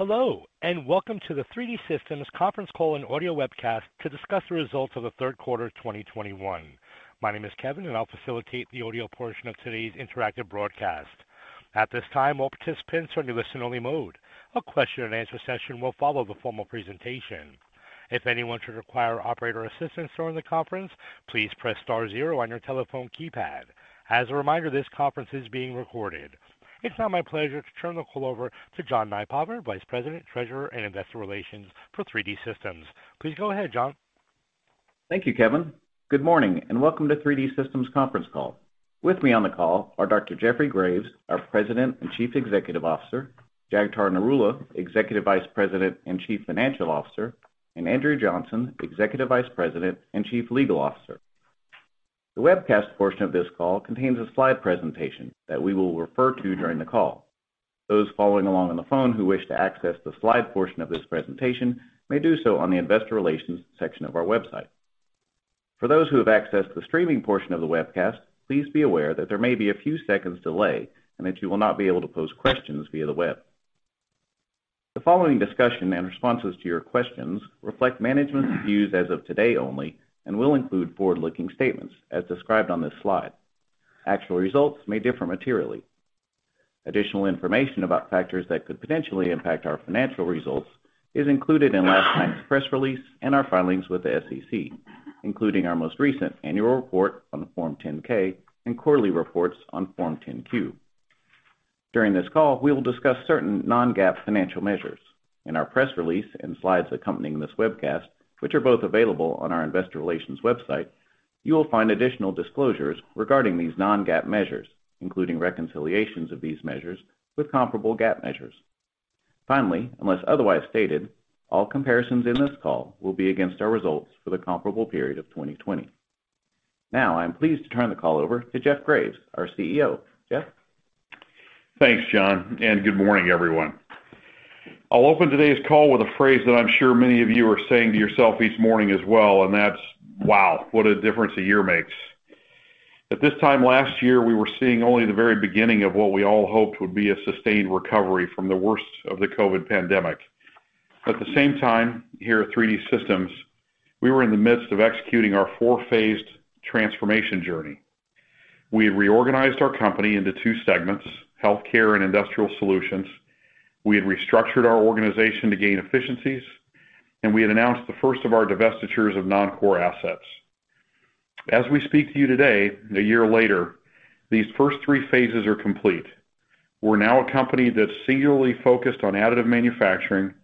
Hello, and welcome to the 3D Systems conference call and audio webcast to discuss the results of the third quarter 2021. My name is Kevin, and I'll facilitate the audio portion of today's interactive broadcast. At this time, all participants are in listen-only mode. A question-and-answer session will follow the formal presentation. If anyone should require operator assistance during the conference, please press star zero on your telephone keypad. As a reminder, this conference is being recorded. It's now my pleasure to turn the call over to John Nypaver, Vice President, Treasurer, and Investor Relations for 3D Systems. Please go ahead, John. Thank you, Kevin. Good morning, and welcome to 3D Systems conference call. With me on the call are Dr. Jeffrey Graves, our President and Chief Executive Officer, Jagtar Narula, Executive Vice President and Chief Financial Officer, and Andrew Johnson, Executive Vice President and Chief Legal Officer. The webcast portion of this call contains a slide presentation that we will refer to during the call. Those following along on the phone who wish to access the slide portion of this presentation may do so on the investor relations section of our website. For those who have accessed the streaming portion of the webcast, please be aware that there may be a few seconds delay and that you will not be able to pose questions via the web. The following discussion and responses to your questions reflect management's views as of today only and will include forward-looking statements as described on this slide. Actual results may differ materially. Additional information about factors that could potentially impact our financial results is included in last night's press release and our filings with the SEC, including our most recent annual report on the Form 10-K and quarterly reports on Form 10-Q. During this call, we will discuss certain non-GAAP financial measures. In our press release and slides accompanying this webcast, which are both available on our investor relations website, you will find additional disclosures regarding these non-GAAP measures, including reconciliations of these measures with comparable GAAP measures. Finally, unless otherwise stated, all comparisons in this call will be against our results for the comparable period of 2020. Now, I am pleased to turn the call over to Jeffrey Graves, our CEO. Jeff? Thanks, John, and good morning, everyone. I'll open today's call with a phrase that I'm sure many of you are saying to yourself each morning as well, and that's, "Wow, what a difference a year makes." At this time last year, we were seeing only the very beginning of what we all hoped would be a sustained recovery from the worst of the COVID pandemic. At the same time, here at 3D Systems, we were in the midst of executing our four-phased transformation journey. We reorganized our company into two segments, Healthcare and Industrial Solutions. We had restructured our organization to gain efficiencies, and we had announced the first of our divestitures of non-core assets. As we speak to you today, a year later, these first three phases are complete. We're now a company that's singularly focused on additive manufacturing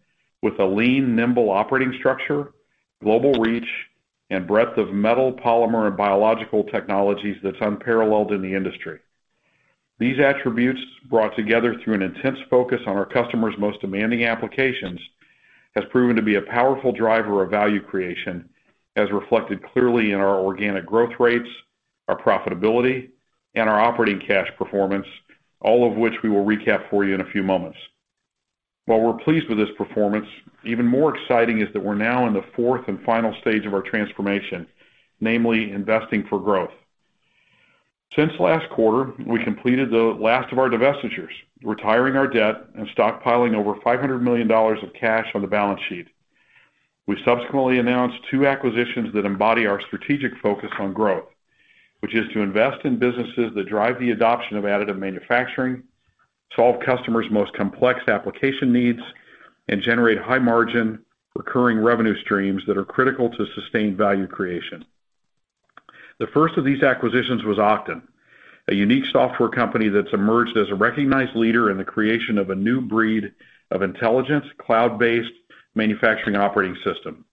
with a lean, nimble operating structure, global reach, and breadth of metal, polymer, and biological technologies that's unparalleled in the industry. These attributes brought together through an intense focus on our customers' most demanding applications has proven to be a powerful driver of value creation as reflected clearly in our organic growth rates, our profitability, and our operating cash performance, all of which we will recap for you in a few moments. While we're pleased with this performance, even more exciting is that we're now in the fourth and final stage of our transformation, namely investing for growth. Since last quarter, we completed the last of our divestitures, retiring our debt and stockpiling over $500 million of cash on the balance sheet. We subsequently announced two acquisitions that embody our strategic focus on growth, which is to invest in businesses that drive the adoption of additive manufacturing, solve customers' most complex application needs, and generate high-margin recurring revenue streams that are critical to sustained value creation. The first of these acquisitions was Oqton, a unique software company that's emerged as a recognized leader in the creation of a new breed of intelligent, cloud-based manufacturing operating system.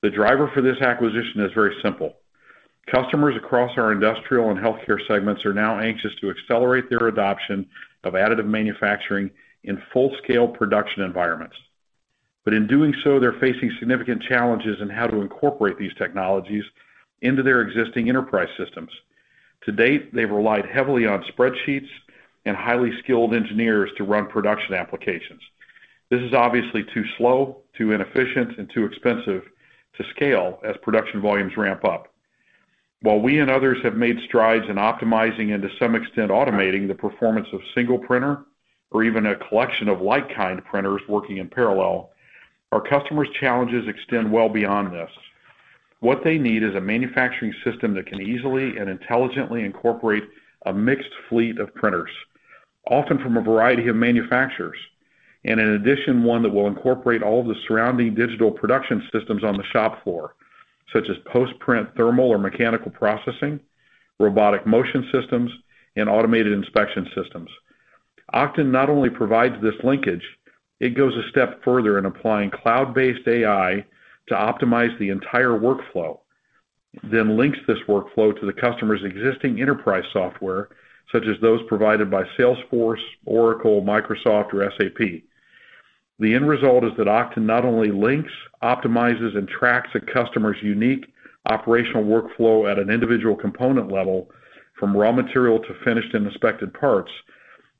The driver for this acquisition is very simple. Customers across our industrial and healthcare segments are now anxious to accelerate their adoption of additive manufacturing in full-scale production environments. In doing so, they're facing significant challenges in how to incorporate these technologies into their existing enterprise systems. To date, they've relied heavily on spreadsheets and highly skilled engineers to run production applications. This is obviously too slow, too inefficient, and too expensive to scale as production volumes ramp up. While we and others have made strides in optimizing and to some extent automating the performance of single printer or even a collection of like-kind printers working in parallel, our customers' challenges extend well beyond this. What they need is a manufacturing system that can easily and intelligently incorporate a mixed fleet of printers, often from a variety of manufacturers, and in addition, one that will incorporate all of the surrounding digital production systems on the shop floor, such as post-print thermal or mechanical processing, robotic motion systems, and automated inspection systems. Oqton not only provides this linkage, it goes a step further in applying cloud-based AI to optimize the entire workflow, then links this workflow to the customer's existing enterprise software, such as those provided by Salesforce, Oracle, Microsoft, or SAP. The end result is that Oqton not only links, optimizes, and tracks a customer's unique operational workflow at an individual component level from raw material to finished and inspected parts,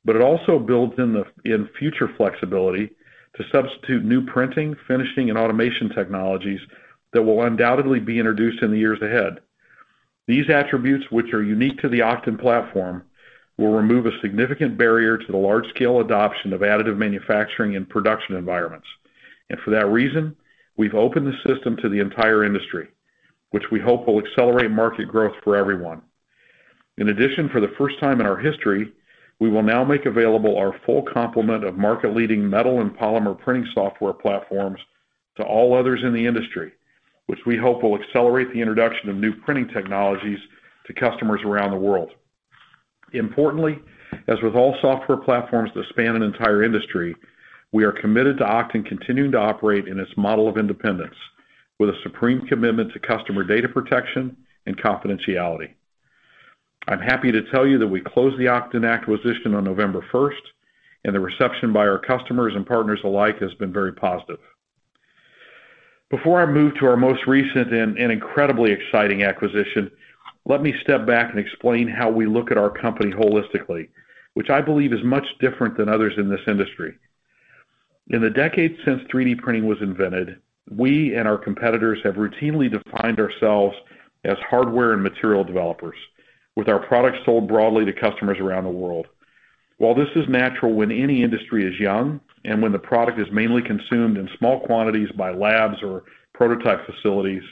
but it also builds in future flexibility to substitute new printing, finishing, and automation technologies that will undoubtedly be introduced in the years ahead. These attributes which are unique to the Oqton platform will remove a significant barrier to the large-scale adoption of additive manufacturing in production environments. For that reason, we've opened the system to the entire industry, which we hope will accelerate market growth for everyone. In addition, for the first time in our history, we will now make available our full complement of market-leading metal and polymer printing software platforms to all others in the industry, which we hope will accelerate the introduction of new printing technologies to customers around the world. Importantly, as with all software platforms that span an entire industry, we are committed to Oqton continuing to operate in its model of independence with a supreme commitment to customer data protection and confidentiality. I'm happy to tell you that we closed the Oqton acquisition on November first, and the reception by our customers and partners alike has been very positive. Before I move to our most recent and incredibly exciting acquisition, let me step back and explain how we look at our company holistically, which I believe is much different than others in this industry. In the decades since 3D printing was invented, we and our competitors have routinely defined ourselves as hardware and material developers with our products sold broadly to customers around the world. While this is natural when any industry is young and when the product is mainly consumed in small quantities by labs or prototype facilities,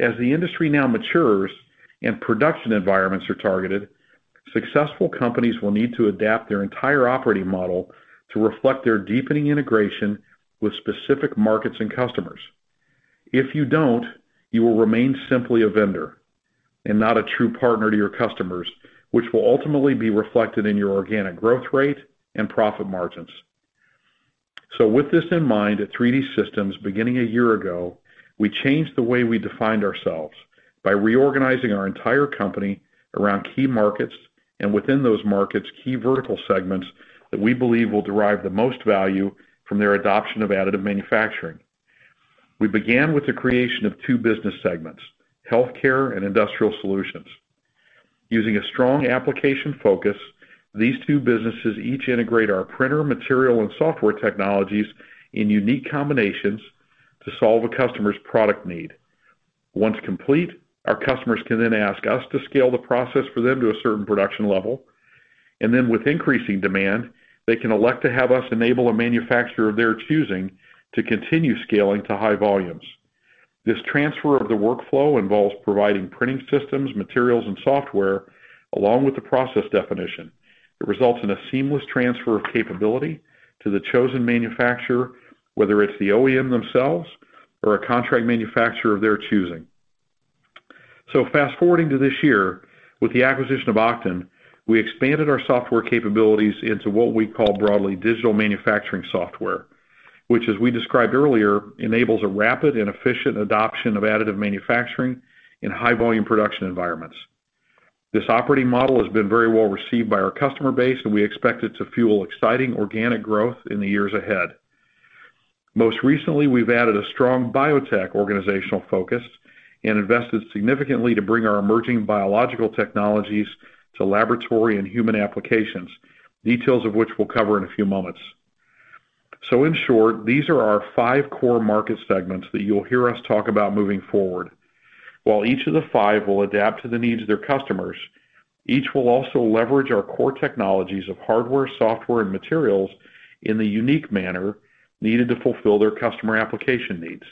as the industry now matures and production environments are targeted, successful companies will need to adapt their entire operating model to reflect their deepening integration with specific markets and customers. If you don't, you will remain simply a vendor and not a true partner to your customers, which will ultimately be reflected in your organic growth rate and profit margins. With this in mind, at 3D Systems, beginning a year ago, we changed the way we defined ourselves by reorganizing our entire company around key markets, and within those markets, key vertical segments that we believe will derive the most value from their adoption of additive manufacturing. We began with the creation of two business segments, healthcare and industrial solutions. Using a strong application focus, these two businesses each integrate our printer material and software technologies in unique combinations to solve a customer's product need. Once complete, our customers can then ask us to scale the process for them to a certain production level, and then with increasing demand, they can elect to have us enable a manufacturer of their choosing to continue scaling to high volumes. This transfer of the workflow involves providing printing systems, materials, and software along with the process definition. It results in a seamless transfer of capability to the chosen manufacturer, whether it's the OEM themselves or a contract manufacturer of their choosing. Fast-forwarding to this year, with the acquisition of Oqton, we expanded our software capabilities into what we call broadly digital manufacturing software, which as we described earlier, enables a rapid and efficient adoption of additive manufacturing in high volume production environments. This operating model has been very well received by our customer base, and we expect it to fuel exciting organic growth in the years ahead. Most recently, we've added a strong biotech organizational focus and invested significantly to bring our emerging biological technologies to laboratory and human applications, details of which we'll cover in a few moments. In short, these are our five core market segments that you'll hear us talk about moving forward. While each of the five will adapt to the needs of their customers, each will also leverage our core technologies of hardware, software, and materials in the unique manner needed to fulfill their customer application needs.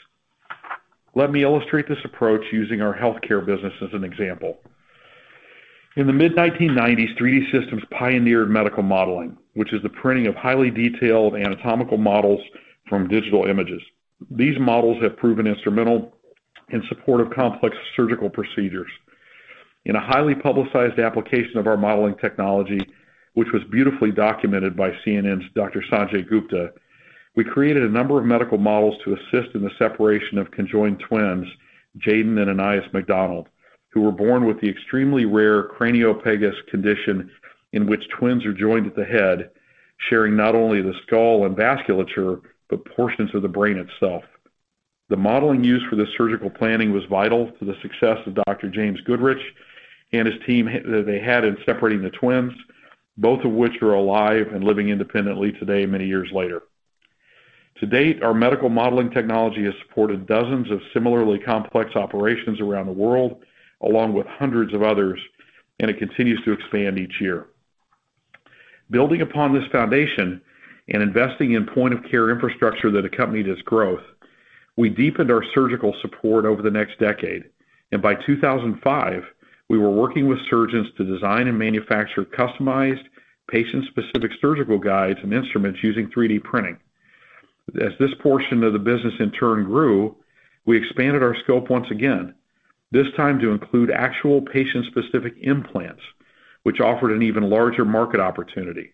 Let me illustrate this approach using our healthcare business as an example. In the mid-1990s, 3D Systems pioneered medical modeling, which is the printing of highly detailed anatomical models from digital images. These models have proven instrumental in support of complex surgical procedures. In a highly publicized application of our modeling technology, which was beautifully documented by CNN's Dr. Sanjay Gupta, we created a number of medical models to assist in the separation of conjoined twins, Jadon and Anias McDonald, who were born with the extremely rare craniopagus condition in which twins are joined at the head, sharing not only the skull and vasculature, but portions of the brain itself. The modeling used for this surgical planning was vital to the success of Dr. James Goodrich and his team that they had in separating the twins, both of which are alive and living independently today many years later. To date, our medical modeling technology has supported dozens of similarly complex operations around the world, along with hundreds of others, and it continues to expand each year. Building upon this foundation and investing in point-of-care infrastructure that accompanied its growth, we deepened our surgical support over the next decade, and by 2005, we were working with surgeons to design and manufacture customized patient-specific surgical guides and instruments using 3D printing. As this portion of the business in turn grew, we expanded our scope once again, this time to include actual patient-specific implants, which offered an even larger market opportunity.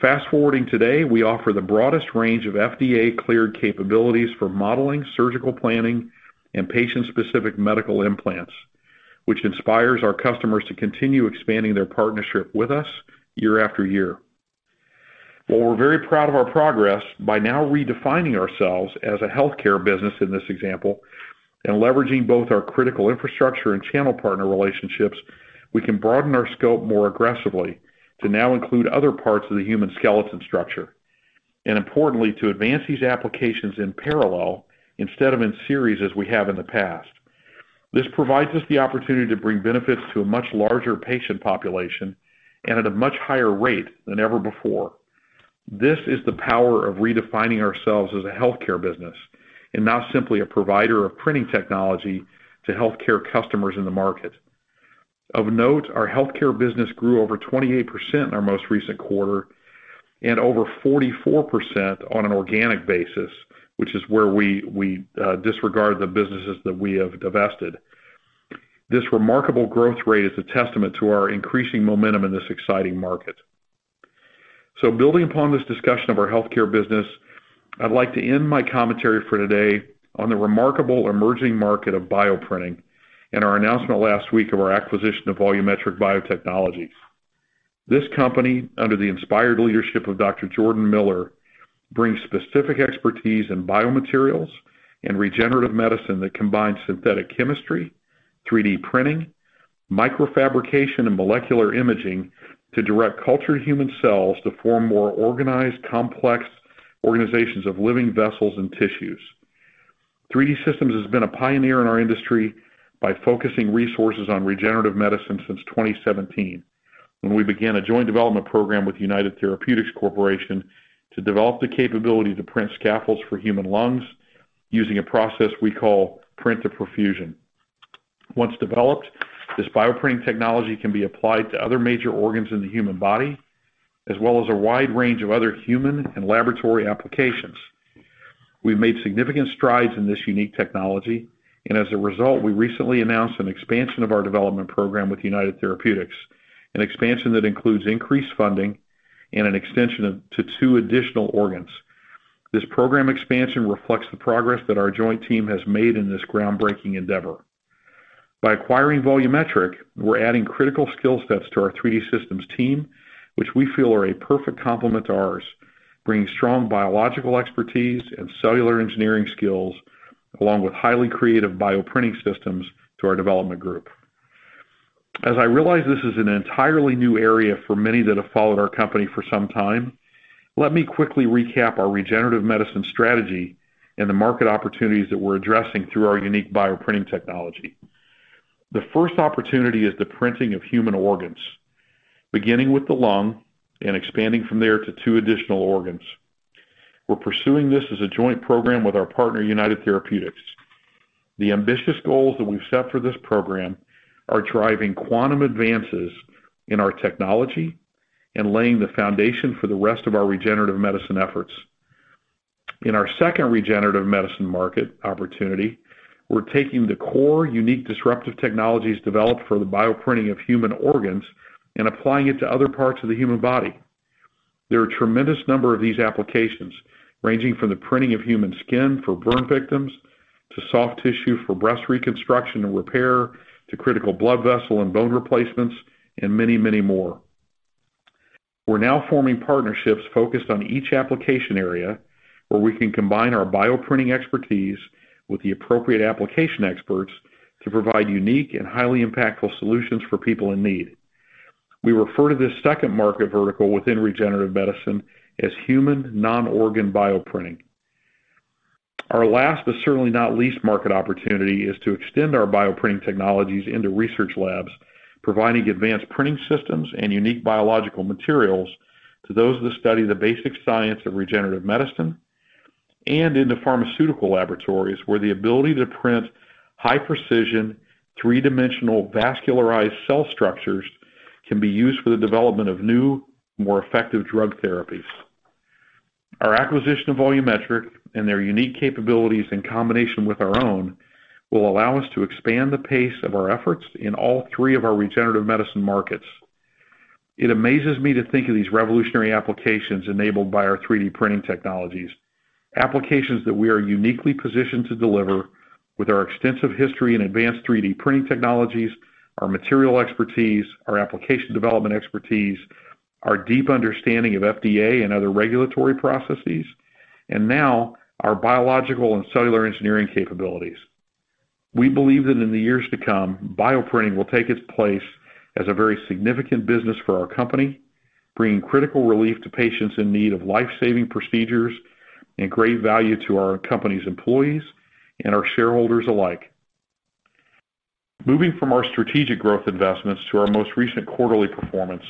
Fast forward to today, we offer the broadest range of FDA-cleared capabilities for modeling, surgical planning, and patient-specific medical implants, which inspires our customers to continue expanding their partnership with us year after year. While we're very proud of our progress by now redefining ourselves as a healthcare business in this example and leveraging both our critical infrastructure and channel partner relationships, we can broaden our scope more aggressively to now include other parts of the human skeleton structure. Importantly, to advance these applications in parallel instead of in series as we have in the past. This provides us the opportunity to bring benefits to a much larger patient population and at a much higher rate than ever before. This is the power of redefining ourselves as a healthcare business and not simply a provider of printing technology to healthcare customers in the market. Of note, our healthcare business grew over 28% in our most recent quarter and over 44% on an organic basis, which is where we disregard the businesses that we have divested. This remarkable growth rate is a testament to our increasing momentum in this exciting market. Building upon this discussion of our healthcare business, I'd like to end my commentary for today on the remarkable emerging market of bioprinting and our announcement last week of our acquisition of Volumetric Biotechnologies. This company, under the inspired leadership of Dr. Jordan Miller, brings specific expertise in biomaterials and regenerative medicine that combines synthetic chemistry, 3D printing, microfabrication, and molecular imaging to direct cultured human cells to form more organized, complex organizations of living vessels and tissues. 3D Systems has been a pioneer in our industry by focusing resources on regenerative medicine since 2017 when we began a joint development program with United Therapeutics Corporation to develop the capability to print scaffolds for human lungs using a process we call Print to Perfusion. Once developed, this bioprinting technology can be applied to other major organs in the human body, as well as a wide range of other human and laboratory applications. We've made significant strides in this unique technology, and as a result, we recently announced an expansion of our development program with United Therapeutics, an expansion that includes increased funding and an extension to two additional organs. This program expansion reflects the progress that our joint team has made in this groundbreaking endeavor. By acquiring Volumetric, we're adding critical skill sets to our 3D Systems team, which we feel are a perfect complement to ours, bringing strong biological expertise and cellular engineering skills along with highly creative bioprinting systems to our development group. As I realize this is an entirely new area for many that have followed our company for some time, let me quickly recap our regenerative medicine strategy and the market opportunities that we're addressing through our unique bioprinting technology. The first opportunity is the printing of human organs, beginning with the lung and expanding from there to two additional organs. We're pursuing this as a joint program with our partner, United Therapeutics. The ambitious goals that we've set for this program are driving quantum advances in our technology and laying the foundation for the rest of our regenerative medicine efforts. In our second regenerative medicine market opportunity, we're taking the core, unique, disruptive technologies developed for the bioprinting of human organs and applying it to other parts of the human body. There are a tremendous number of these applications, ranging from the printing of human skin for burn victims, to soft tissue for breast reconstruction and repair, to critical blood vessel and bone replacements, and many, many more. We're now forming partnerships focused on each application area where we can combine our bioprinting expertise with the appropriate application experts to provide unique and highly impactful solutions for people in need. We refer to this second market vertical within regenerative medicine as human non-organ bioprinting. Our last, but certainly not least market opportunity is to extend our bioprinting technologies into research labs, providing advanced printing systems and unique biological materials to those that study the basic science of regenerative medicine, and in the pharmaceutical laboratories, where the ability to print high-precision, three-dimensional vascularized cell structures can be used for the development of new, more effective drug therapies. Our acquisition of Volumetric and their unique capabilities in combination with our own will allow us to expand the pace of our efforts in all three of our regenerative medicine markets. It amazes me to think of these revolutionary applications enabled by our 3D printing technologies, applications that we are uniquely positioned to deliver with our extensive history in advanced 3D printing technologies, our material expertise, our application development expertise, our deep understanding of FDA and other regulatory processes, and now our biological and cellular engineering capabilities. We believe that in the years to come, bioprinting will take its place as a very significant business for our company, bringing critical relief to patients in need of life-saving procedures and great value to our company's employees and our shareholders alike. Moving from our strategic growth investments to our most recent quarterly performance,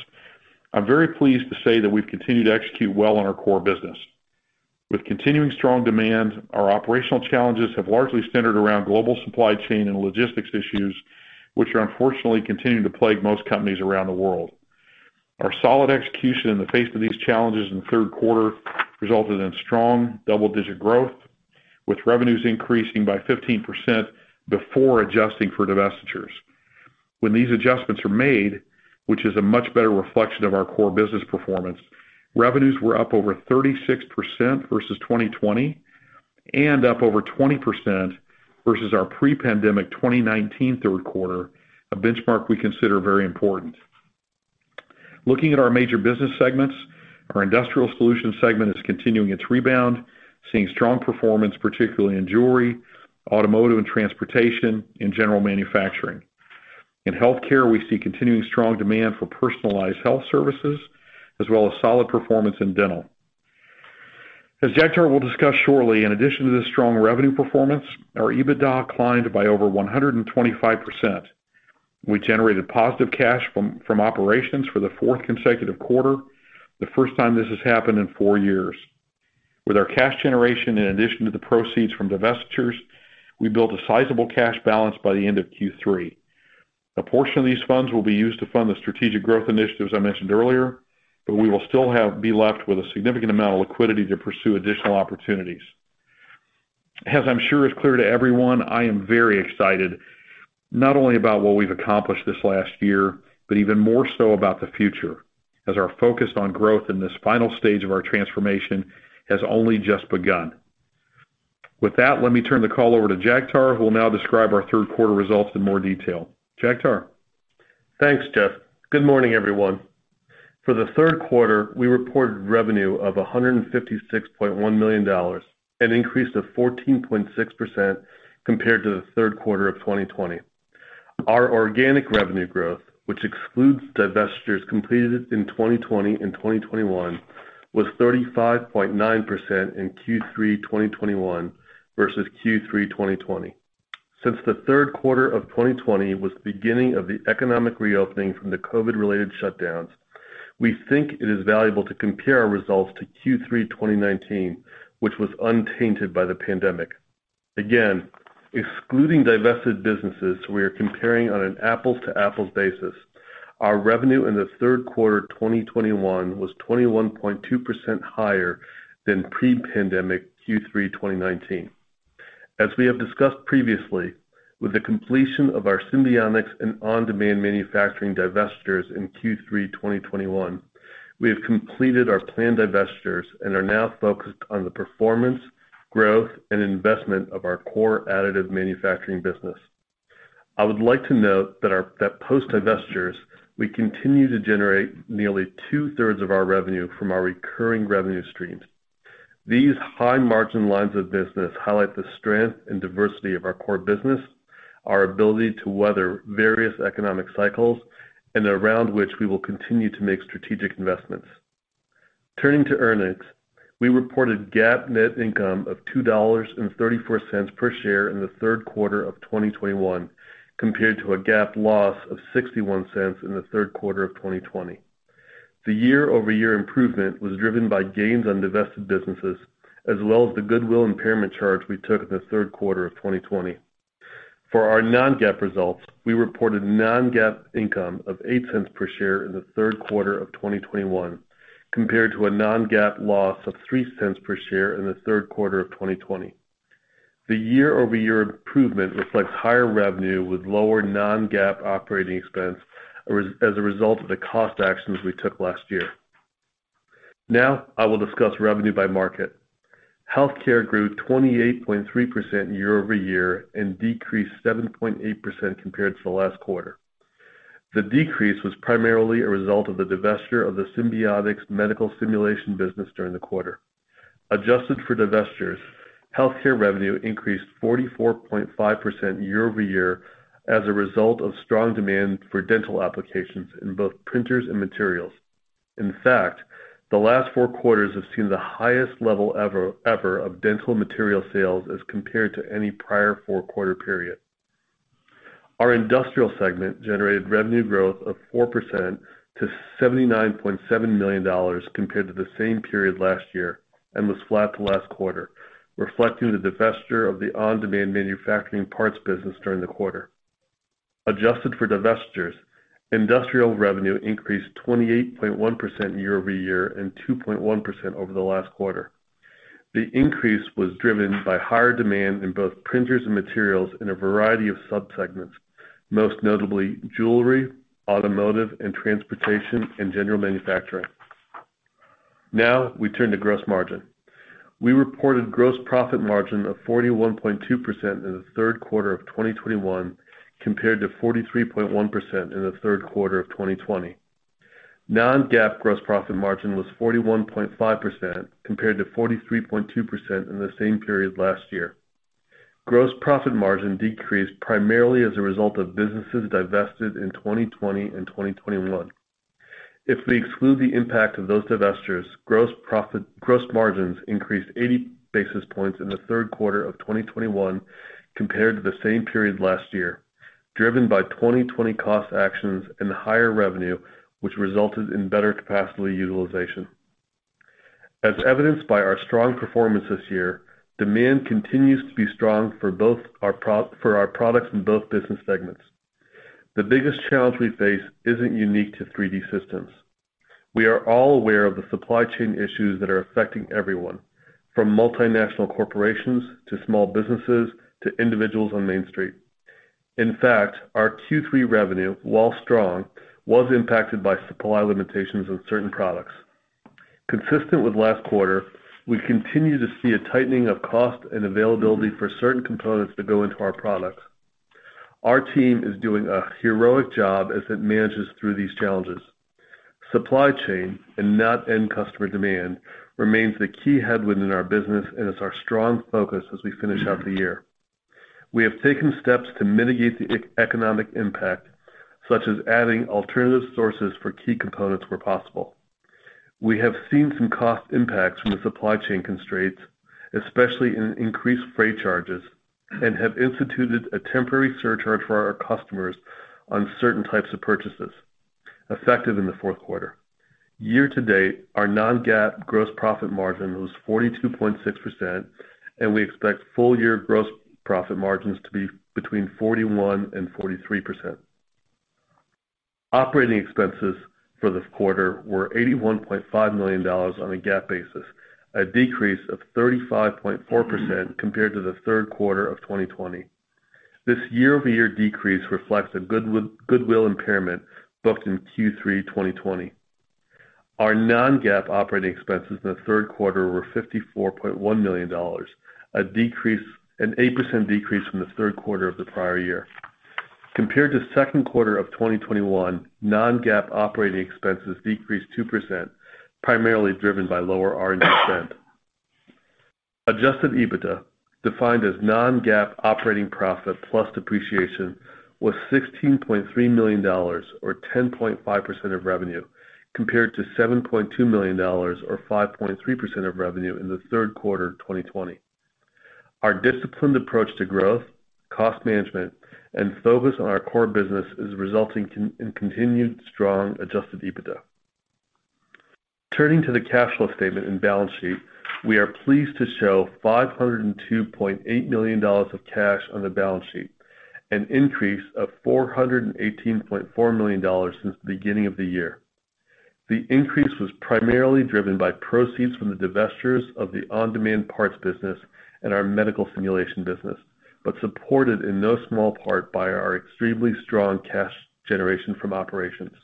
I'm very pleased to say that we've continued to execute well on our core business. With continuing strong demand, our operational challenges have largely centered around global supply chain and logistics issues, which unfortunately continue to plague most companies around the world. Our solid execution in the face of these challenges in the third quarter resulted in strong double-digit growth, with revenues increasing by 15% before adjusting for divestitures. When these adjustments are made, which is a much better reflection of our core business performance, revenues were up over 36% versus 2020 and up over 20% versus our pre-pandemic 2019 third quarter, a benchmark we consider very important. Looking at our major business segments, our Industrial Solutions segment is continuing its rebound, seeing strong performance, particularly in jewelry, automotive and transportation, and general manufacturing. In Healthcare, we see continuing strong demand for personalized health services as well as solid performance in dental. As Jagtar will discuss shortly, in addition to this strong revenue performance, our EBITDA climbed by over 125%. We generated positive cash from operations for the fourth consecutive quarter, the first time this has happened in four years. With our cash generation, in addition to the proceeds from divestitures, we built a sizable cash balance by the end of Q3. A portion of these funds will be used to fund the strategic growth initiatives I mentioned earlier, but we will still be left with a significant amount of liquidity to pursue additional opportunities. As I'm sure is clear to everyone, I am very excited not only about what we've accomplished this last year, but even more so about the future, as our focus on growth in this final stage of our transformation has only just begun. With that, let me turn the call over to Jagtar, who will now describe our third quarter results in more detail. Jagtar? Thanks, Jeff. Good morning, everyone. For the third quarter, we reported revenue of $156.1 million, an increase of 14.6% compared to the third quarter of 2020. Our organic revenue growth, which excludes divestitures completed in 2020 and 2021, was 35.9% in Q3 2021 versus Q3 2020. Since the third quarter of 2020 was the beginning of the economic reopening from the COVID-related shutdowns, we think it is valuable to compare our results to Q3 2019, which was untainted by the pandemic. Again, excluding divested businesses, we are comparing on an apples-to-apples basis. Our revenue in the third quarter of 2021 was 21.2% higher than pre-pandemic Q3 2019. As we have discussed previously, with the completion of our Simbionix and on-demand manufacturing divestitures in Q3 2021, we have completed our planned divestitures and are now focused on the performance, growth, and investment of our core additive manufacturing business. I would like to note that post-divestitures, we continue to generate nearly two-thirds of our revenue from our recurring revenue streams. These high-margin lines of business highlight the strength and diversity of our core business, our ability to weather various economic cycles, and around which we will continue to make strategic investments. Turning to earnings, we reported GAAP net income of $2.34 per share in the third quarter of 2021, compared to a GAAP loss of $0.61 in the third quarter of 2020. The year-over-year improvement was driven by gains on divested businesses as well as the goodwill impairment charge we took in the third quarter of 2020. For our non-GAAP results, we reported non-GAAP income of $0.08 per share in the third quarter of 2021, compared to a non-GAAP loss of $0.03 per share in the third quarter of 2020. The year-over-year improvement reflects higher revenue with lower non-GAAP operating expense as a result of the cost actions we took last year. Now I will discuss revenue by market. Healthcare grew 28.3% year-over-year and decreased 7.8% compared to last quarter. The decrease was primarily a result of the divestiture of the Simbionix medical simulation business during the quarter. Adjusted for divestitures, Healthcare revenue increased 44.5% year-over-year as a result of strong demand for dental applications in both printers and materials. In fact, the last four quarters have seen the highest level ever of dental material sales as compared to any prior four-quarter period. Our Industrial segment generated revenue growth of 4% to $79.7 million compared to the same period last year and was flat to last quarter, reflecting the divestiture of the on-demand manufacturing parts business during the quarter. Adjusted for divestitures, Industrial revenue increased 28.1% year-over-year and 2.1% over the last quarter. The increase was driven by higher demand in both printers and materials in a variety of sub-segments, most notably jewelry, automotive, and transportation, and general manufacturing. Now we turn to gross margin. We reported gross profit margin of 41.2% in the third quarter of 2021 compared to 43.1% in the third quarter of 2020. Non-GAAP gross profit margin was 41.5% compared to 43.2% in the same period last year. Gross profit margin decreased primarily as a result of businesses divested in 2020 and 2021. If we exclude the impact of those divestitures, gross margins increased 80 basis points in the third quarter of 2021 compared to the same period last year, driven by 2020 cost actions and higher revenue, which resulted in better capacity utilization. As evidenced by our strong performance this year, demand continues to be strong for our products in both business segments. The biggest challenge we face isn't unique to 3D Systems. We are all aware of the supply chain issues that are affecting everyone, from multinational corporations to small businesses to individuals on Main Street. In fact, our Q3 revenue, while strong, was impacted by supply limitations on certain products. Consistent with last quarter, we continue to see a tightening of cost and availability for certain components that go into our products. Our team is doing a heroic job as it manages through these challenges. Supply chain and not end customer demand remains the key headwind in our business, and it's our strong focus as we finish out the year. We have taken steps to mitigate the economic impact, such as adding alternative sources for key components where possible. We have seen some cost impacts from the supply chain constraints, especially in increased freight charges, and have instituted a temporary surcharge for our customers on certain types of purchases effective in the fourth quarter. Year to date, our non-GAAP gross profit margin was 42.6%, and we expect full year gross profit margins to be between 41% and 43%. Operating expenses for this quarter were $81.5 million on a GAAP basis, a decrease of 35.4% compared to the third quarter of 2020. This year-over-year decrease reflects a goodwill impairment booked in Q3 2020. Our non-GAAP operating expenses in the third quarter were $54.1 million, an 8% decrease from the third quarter of the prior year. Compared to second quarter of 2021, non-GAAP operating expenses decreased 2%, primarily driven by lower R&D spend. Adjusted EBITDA, defined as non-GAAP operating profit plus depreciation, was $16.3 million or 10.5% of revenue, compared to $7.2 million or 5.3% of revenue in the third quarter of 2020. Our disciplined approach to growth, cost management, and focus on our core business is resulting in continued strong adjusted EBITDA. Turning to the cash flow statement and balance sheet, we are pleased to show $502.8 million of cash on the balance sheet, an increase of $418.4 million since the beginning of the year. The increase was primarily driven by proceeds from the divestitures of the on-demand parts business and our medical simulation business, but supported in no small part by our extremely strong cash generation from operations.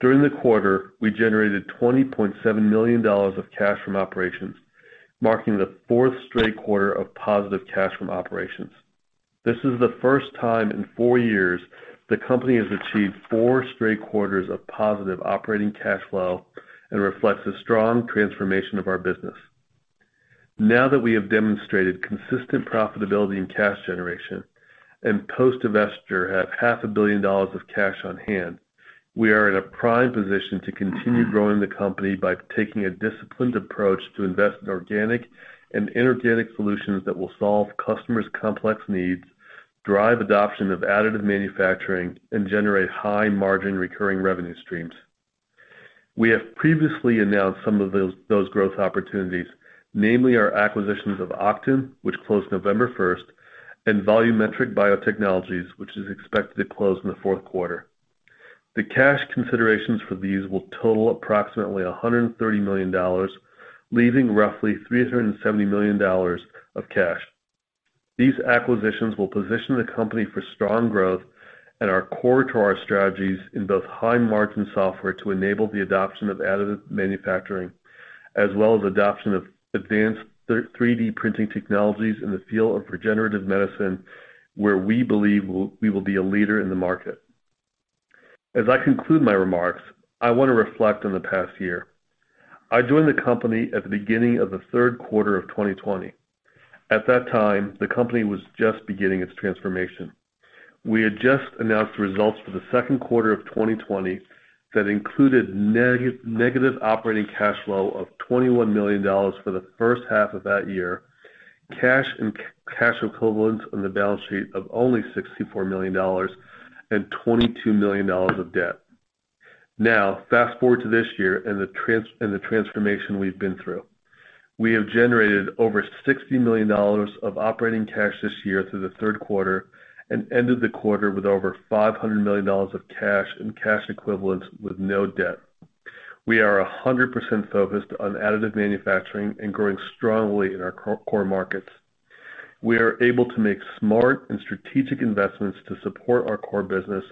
During the quarter, we generated $20.7 million of cash from operations, marking the fourth straight quarter of positive cash from operations. This is the first time in four years the company has achieved four straight quarters of positive operating cash flow and reflects the strong transformation of our business. Now that we have demonstrated consistent profitability and cash generation and post-divestiture have half a billion dollars of cash on hand, we are in a prime position to continue growing the company by taking a disciplined approach to invest in organic and inorganic solutions that will solve customers' complex needs, drive adoption of additive manufacturing, and generate high margin recurring revenue streams. We have previously announced some of those growth opportunities, namely our acquisitions of Oqton, which closed November 1, and Volumetric Biotechnologies, which is expected to close in the fourth quarter. The cash considerations for these will total approximately $130 million, leaving roughly $370 million of cash. These acquisitions will position the company for strong growth and are core to our strategies in both high margin software to enable the adoption of additive manufacturing, as well as adoption of advanced 3D printing technologies in the field of regenerative medicine, where we believe we will be a leader in the market. As I conclude my remarks, I want to reflect on the past year. I joined the company at the beginning of the third quarter of 2020. At that time, the company was just beginning its transformation. We had just announced results for the second quarter of 2020 that included negative operating cash flow of $21 million for the first half of that year, cash and cash equivalents on the balance sheet of only $64 million, and $22 million of debt. Now, fast-forward to this year and the transformation we've been through. We have generated over $60 million of operating cash this year through the third quarter and ended the quarter with over $500 million of cash and cash equivalents with no debt. We are 100% focused on additive manufacturing and growing strongly in our core markets. We are able to make smart and strategic investments to support our core business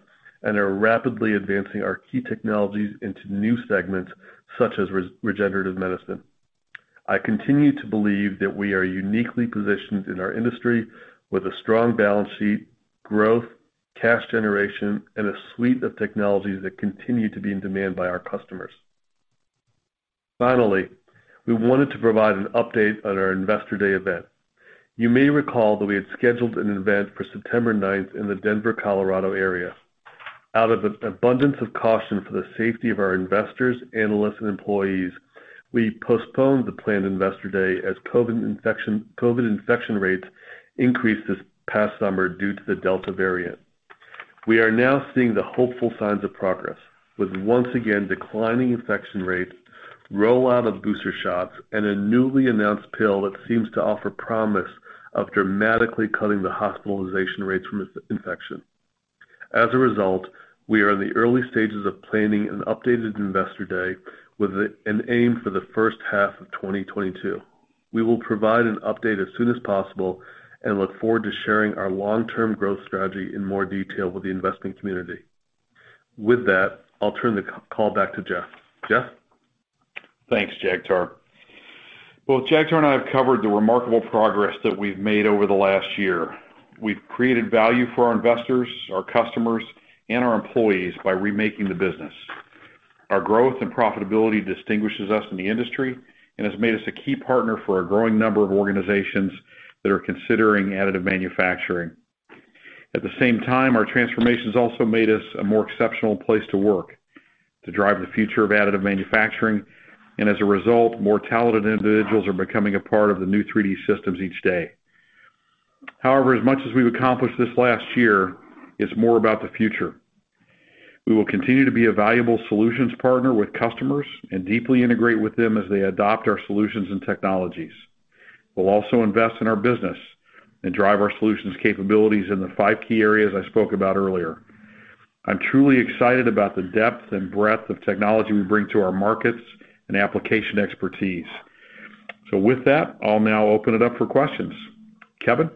and are rapidly advancing our key technologies into new segments such as regenerative medicine. I continue to believe that we are uniquely positioned in our industry with a strong balance sheet, growth, cash generation, and a suite of technologies that continue to be in demand by our customers. Finally, we wanted to provide an update on our Investor Day event. You may recall that we had scheduled an event for September ninth in the Denver, Colorado area. Out of an abundance of caution for the safety of our investors, analysts, and employees, we postponed the planned Investor Day as COVID infection rates increased this past summer due to the Delta variant. We are now seeing the hopeful signs of progress with once again declining infection rates, rollout of booster shots, and a newly announced pill that seems to offer promise of dramatically cutting the hospitalization rates from this infection. As a result, we are in the early stages of planning an updated Investor Day with an aim for the first half of 2022. We will provide an update as soon as possible and look forward to sharing our long-term growth strategy in more detail with the investing community. With that, I'll turn the call back to Jeff. Jeff? Thanks, Jagtar. Both Jagtar and I have covered the remarkable progress that we've made over the last year. We've created value for our investors, our customers, and our employees by remaking the business. Our growth and profitability distinguishes us in the industry and has made us a key partner for a growing number of organizations that are considering additive manufacturing. At the same time, our transformation has also made us a more exceptional place to work to drive the future of additive manufacturing. As a result, more talented individuals are becoming a part of the new 3D Systems each day. However, as much as we've accomplished this last year, it's more about the future. We will continue to be a valuable solutions partner with customers and deeply integrate with them as they adopt our solutions and technologies. We'll also invest in our business and drive our solutions capabilities in the five key areas I spoke about earlier. I'm truly excited about the depth and breadth of technology we bring to our markets and application expertise. With that, I'll now open it up for questions. Kevin?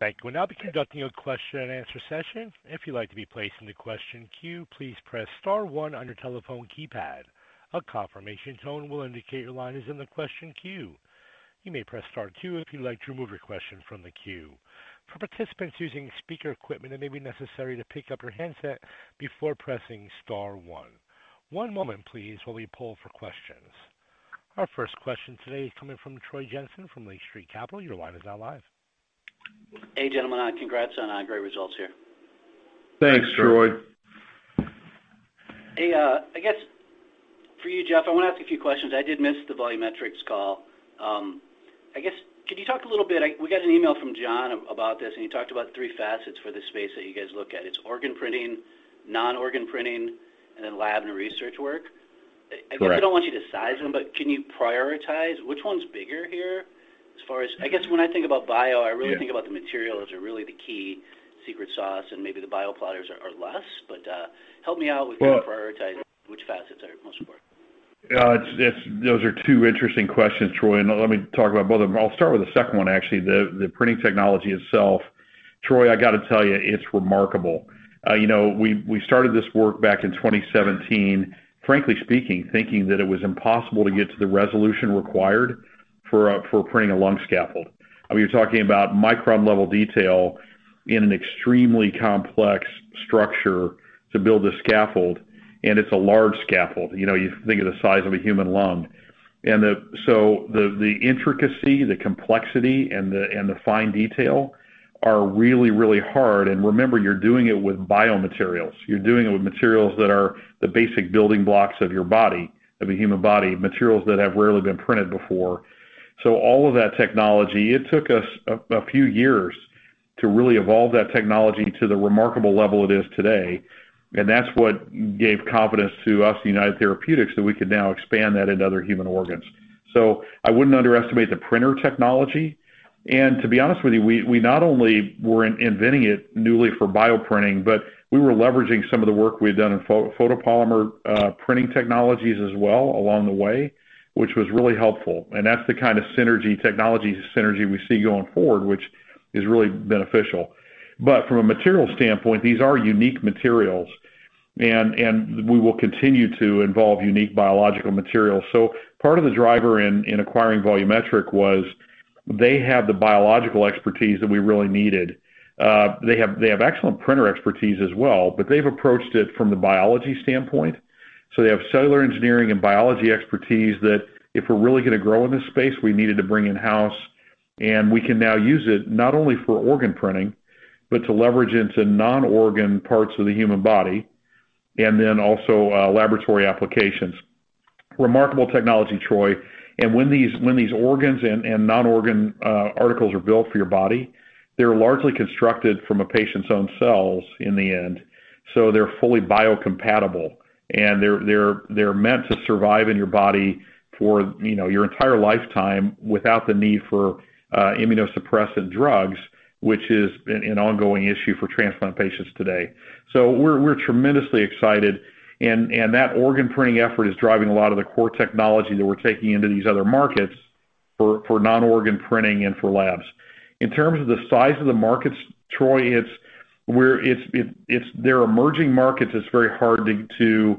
Thank you. We'll now be conducting a question and answer session. If you'd like to be placed in the question queue, please press star one on your telephone keypad. A confirmation tone will indicate your line is in the question queue. You may press star two if you'd like to remove your question from the queue. For participants using speaker equipment, it may be necessary to pick up your handset before pressing star one. One moment please while we poll for questions. Our first question today is coming from Troy Jensen from Lake Street Capital. Your line is now live. Hey, gentlemen. Congrats on great results here. Thanks, Troy. Hey, I guess for you, Jeff, I want to ask a few questions. I did miss the Volumetric call. I guess, could you talk a little bit? We got an email from John about this, and he talked about three facets for this space that you guys look at. It's organ printing, non-organ printing, and then lab and research work. Correct. I guess I don't want you to size them, but can you prioritize which one's bigger here as far as I guess when I think about bio- Yeah I really think about the materials are really the key secret sauce and maybe the bioprinters are less. Help me out with kind of prioritizing which facets are most important. Yeah, it's those are two interesting questions, Troy. Let me talk about both of them. I'll start with the second one, actually. The printing technology itself. Troy, I got to tell you, it's remarkable. You know, we started this work back in 2017, frankly speaking, thinking that it was impossible to get to the resolution required for printing a lung scaffold. I mean, you're talking about micron-level detail in an extremely complex structure to build a scaffold, and it's a large scaffold. You know, you think of the size of a human lung. So the intricacy, the complexity, and the fine detail are really, really hard. Remember, you're doing it with biomaterials. You're doing it with materials that are the basic building blocks of your body, of a human body, materials that have rarely been printed before. All of that technology, it took us a few years to really evolve that technology to the remarkable level it is today. That's what gave confidence to us, United Therapeutics, that we could now expand that into other human organs. I wouldn't underestimate the printer technology. To be honest with you, we not only were inventing it newly for bioprinting, but we were leveraging some of the work we had done in photopolymer printing technologies as well along the way, which was really helpful. That's the kind of synergy, technology synergy we see going forward, which is really beneficial. From a material standpoint, these are unique materials and we will continue to evolve unique biological materials. Part of the driver in acquiring Volumetric was that they have the biological expertise that we really needed. They have excellent printer expertise as well, but they've approached it from the biology standpoint. They have cellular engineering and biology expertise that if we're really going to grow in this space, we needed to bring in-house. We can now use it not only for organ printing, but to leverage into non-organ parts of the human body, and then also laboratory applications. Remarkable technology, Troy. When these organs and non-organ articles are built for your body, they're largely constructed from a patient's own cells in the end, so they're fully biocompatible. They're meant to survive in your body for, you know, your entire lifetime without the need for immunosuppressant drugs, which is an ongoing issue for transplant patients today. We're tremendously excited and that organ printing effort is driving a lot of the core technology that we're taking into these other markets for non-organ printing and for labs. In terms of the size of the markets, Troy, they're emerging markets, it's very hard to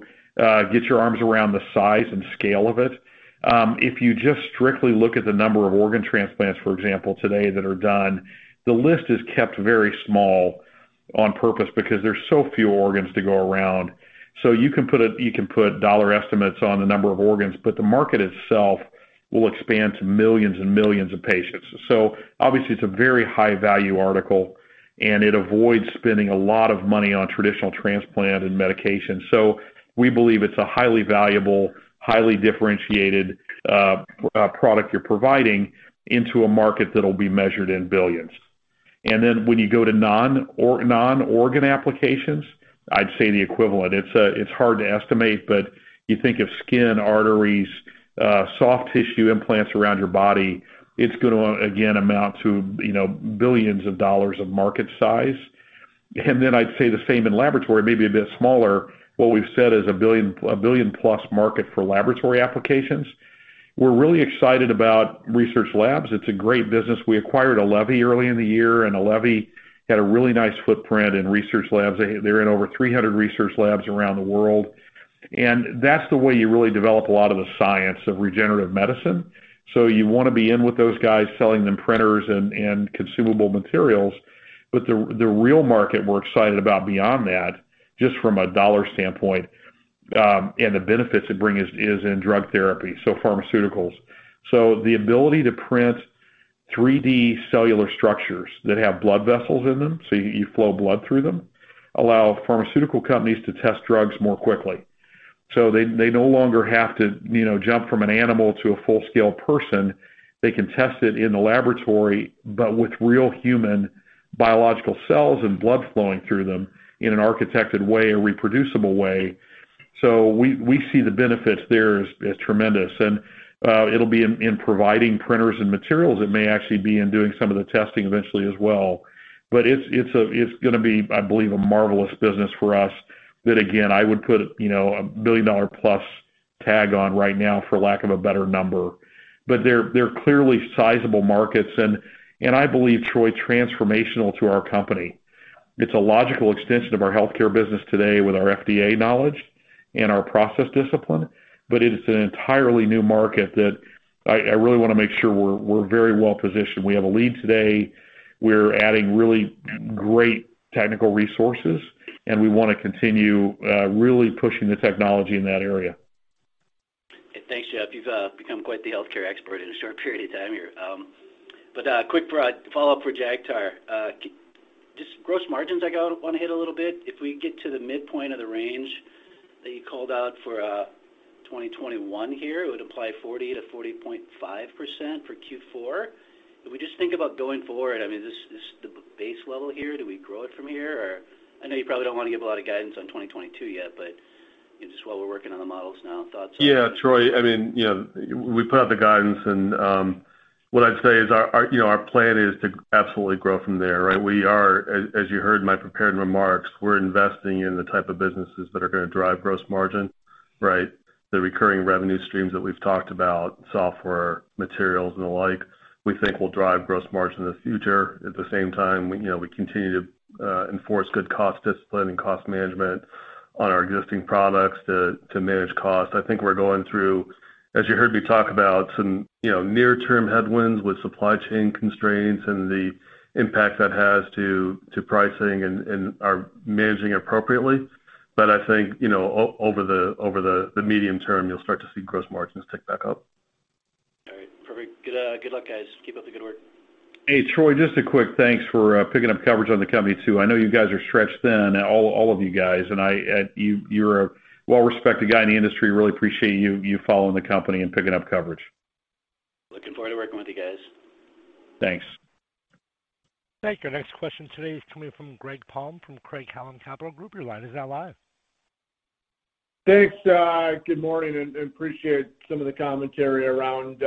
get your arms around the size and scale of it. If you just strictly look at the number of organ transplants, for example, today that are done, the list is kept very small on purpose because there's so few organs to go around. You can put dollar estimates on the number of organs, but the market itself will expand to millions and millions of patients. Obviously, it's a very high-value article, and it avoids spending a lot of money on traditional transplant and medication. We believe it's a highly valuable, highly differentiated product you're providing into a market that'll be measured in billions. When you go to non-organ applications, I'd say the equivalent. It's hard to estimate, but you think of skin, arteries, soft tissue implants around your body, it's going to, again, amount to, you know, billions of dollars of market size. I'd say the same in laboratory, maybe a bit smaller. What we've said is a $1 billion-plus market for laboratory applications. We're really excited about research labs. It's a great business. We acquired Allevi early in the year, and Allevi had a really nice footprint in research labs. They're in over 300 research labs around the world. That's the way you really develop a lot of the science of regenerative medicine. You wanna be in with those guys, selling them printers and consumable materials. The real market we're excited about beyond that, just from a dollar standpoint, and the benefits it bring is in drug therapy, so pharmaceuticals. The ability to print 3D cellular structures that have blood vessels in them, so you flow blood through them, allow pharmaceutical companies to test drugs more quickly. They no longer have to, you know, jump from an animal to a full-scale person. They can test it in the laboratory, but with real human biological cells and blood flowing through them in an architected way, a reproducible way. We see the benefits there as tremendous. It'll be in providing printers and materials. It may actually be in doing some of the testing eventually as well. It's gonna be, I believe, a marvelous business for us that again, I would put, you know, a billion-dollar plus tag on right now for lack of a better number. They're clearly sizable markets and I believe, Troy, transformational to our company. It's a logical extension of our healthcare business today with our FDA knowledge and our process discipline, but it's an entirely new market that I really wanna make sure we're very well-positioned. We have a lead today. We're adding really great technical resources, and we wanna continue really pushing the technology in that area. Thanks, Jeff. You've become quite the healthcare expert in a short period of time here. Quick follow-up for Jagtar. Just gross margins, I wanna hit a little bit. If we get to the midpoint of the range that you called out for 2021 here, it would imply 40%-40.5% for Q4. If we just think about going forward, I mean, is this the base level here? Do we grow it from here? I know you probably don't want to give a lot of guidance on 2022 yet, but you know, just while we're working on the models now, thoughts on that. Yeah. Troy, I mean, you know, we put out the guidance and, what I'd say is our plan is to absolutely grow from there, right? We are, as you heard in my prepared remarks, we're investing in the type of businesses that are gonna drive gross margin, right? The recurring revenue streams that we've talked about, software, materials, and the like, we think will drive gross margin in the future. At the same time, you know, we continue to enforce good cost discipline and cost management on our existing products to manage cost. I think we're going through, as you heard me talk about, some, you know, near-term headwinds with supply chain constraints and the impact that has to pricing and are managing appropriately. I think, you know, over the medium term, you'll start to see gross margins tick back up. All right. Perfect. Good, good luck, guys. Keep up the good work. Hey, Troy, just a quick thanks for picking up coverage on the company too. I know you guys are stretched thin, all of you guys, and you're a well-respected guy in the industry. Really appreciate you following the company and picking up coverage. Looking forward to working with you guys. Thanks. Thank you. Next question today is coming from Greg Palm from Craig-Hallum Capital Group. Your line is now live. Thanks, good morning, and appreciate some of the commentary around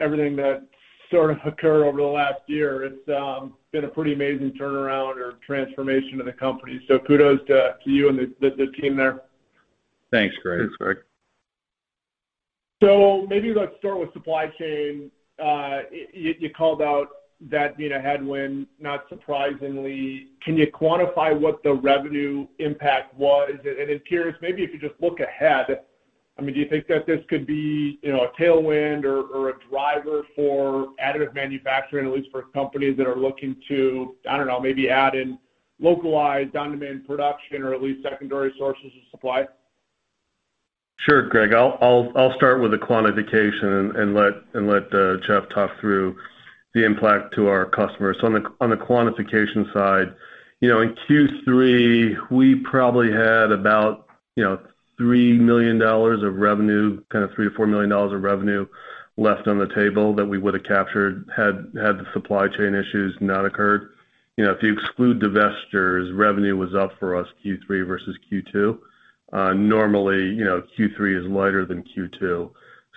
everything that sort of occurred over the last year. It's been a pretty amazing turnaround or transformation of the company. Kudos to you and the team there. Thanks, Greg. Thanks, Greg. Maybe let's start with supply chain. You called out that being a headwind, not surprisingly. Can you quantify what the revenue impact was? It appears maybe if you just look ahead, I mean, do you think that this could be, you know, a tailwind or a driver for additive manufacturing, at least for companies that are looking to, I don't know, maybe add in localized on-demand production or at least secondary sources of supply? Sure, Greg. I'll start with the quantification and let Jeff talk through the impact to our customers. On the quantification side, you know, in Q3, we probably had about, you know, $3 million of revenue, kind of $3-$4 million of revenue left on the table that we would have captured had the supply chain issues not occurred. You know, if you exclude divestitures, revenue was up for us Q3 versus Q2. Normally, you know, Q3 is lighter than Q2.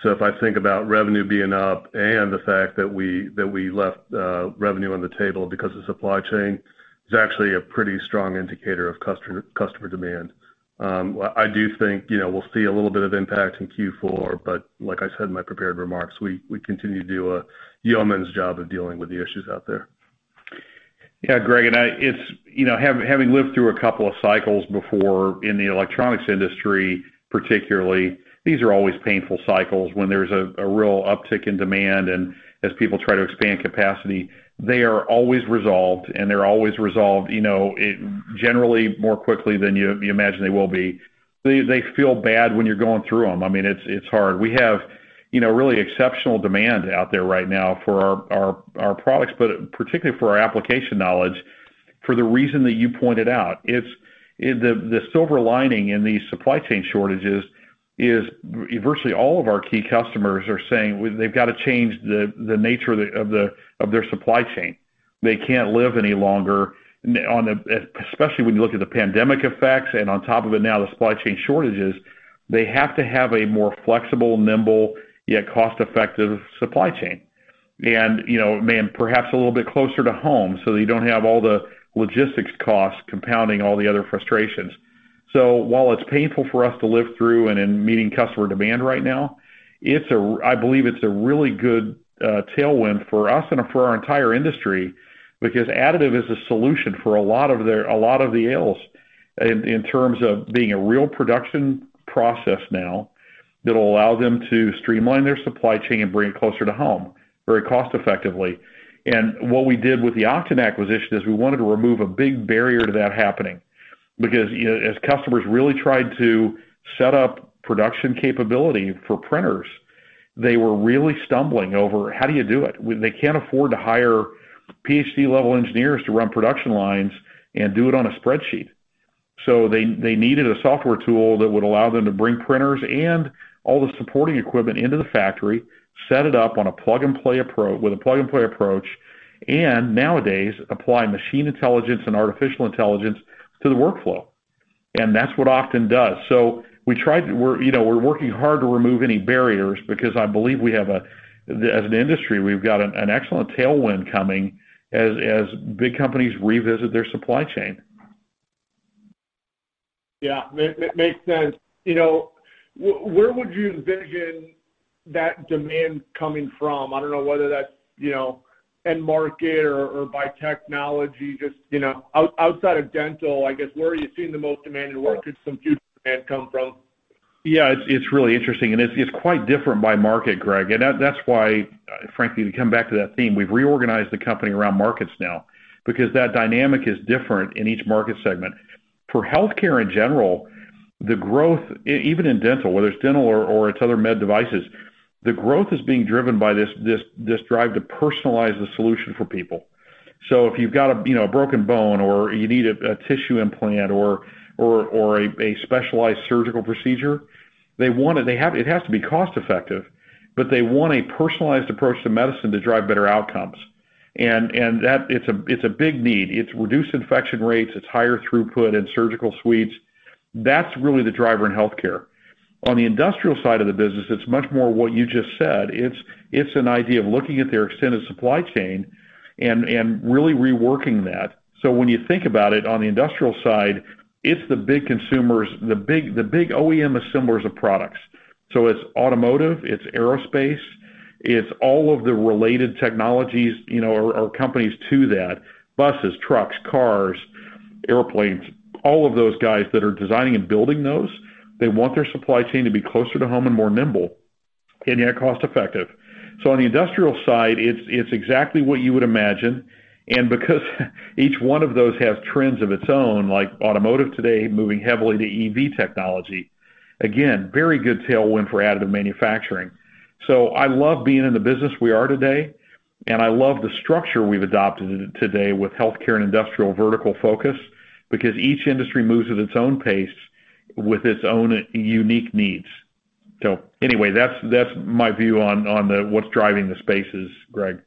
If I think about revenue being up and the fact that we left revenue on the table because of supply chain, is actually a pretty strong indicator of customer demand. Well, I do think, you know, we'll see a little bit of impact in Q4, but like I said in my prepared remarks, we continue to do a yeoman's job of dealing with the issues out there. Yeah, Greg. It's, you know, having lived through a couple of cycles before in the electronics industry, particularly. These are always painful cycles when there's a real uptick in demand and as people try to expand capacity. They are always resolved, you know, it generally more quickly than you imagine they will be. They feel bad when you're going through them. I mean, it's hard. We have, you know, really exceptional demand out there right now for our products, but particularly for our application knowledge for the reason that you pointed out. It's in the silver lining in these supply chain shortages is virtually all of our key customers are saying they've got to change the nature of their supply chain. They can't live any longer on the... Especially when you look at the pandemic effects and on top of it now the supply chain shortages, they have to have a more flexible, nimble, yet cost-effective supply chain. You know, man, perhaps a little bit closer to home so you don't have all the logistics costs compounding all the other frustrations. While it's painful for us to live through and in meeting customer demand right now, I believe it's a really good tailwind for us and for our entire industry, because additive is a solution for a lot of their ills in terms of being a real production process now that'll allow them to streamline their supply chain and bring it closer to home very cost-effectively. What we did with the Oqton acquisition is we wanted to remove a big barrier to that happening because, you know, as customers really tried to set up production capability for printers, they were really stumbling over how do you do it. They can't afford to hire PhD-level engineers to run production lines and do it on a spreadsheet. So they needed a software tool that would allow them to bring printers and all the supporting equipment into the factory, set it up with a plug-and-play approach, and nowadays, apply machine intelligence and artificial intelligence to the workflow. That's what Oqton does. You know, we're working hard to remove any barriers because I believe as an industry, we've got an excellent tailwind coming as big companies revisit their supply chain. Yeah. Makes sense. You know, where would you envision that demand coming from? I don't know whether that's, you know, end market or by technology, just, you know, outside of dental, I guess, where are you seeing the most demand, and where could some future demand come from? Yeah. It's really interesting, and it's quite different by market, Greg. That's why, frankly, to come back to that theme, we've reorganized the company around markets now because that dynamic is different in each market segment. For healthcare in general, the growth, even in dental, whether it's dental or it's other med devices, the growth is being driven by this drive to personalize the solution for people. If you've got a, you know, a broken bone or you need a tissue implant or a specialized surgical procedure, they want it. It has to be cost-effective, but they want a personalized approach to medicine to drive better outcomes. That's a big need. It's reduced infection rates. It's higher throughput in surgical suites. That's really the driver in healthcare. On the industrial side of the business, it's much more what you just said. It's an idea of looking at their extended supply chain and really reworking that. When you think about it, on the industrial side, it's the big consumers, the big OEM assemblers of products. It's automotive, it's aerospace, it's all of the related technologies, you know, or companies to that, buses, trucks, cars, airplanes, all of those guys that are designing and building those, they want their supply chain to be closer to home and more nimble and yet cost-effective. On the industrial side, it's exactly what you would imagine. Because each one of those has trends of its own, like automotive today, moving heavily to EV technology, again, very good tailwind for additive manufacturing. I love being in the business we are today, and I love the structure we've adopted today with healthcare and industrial vertical focus because each industry moves at its own pace with its own unique needs. Anyway, that's my view on what's driving the spaces, Greg.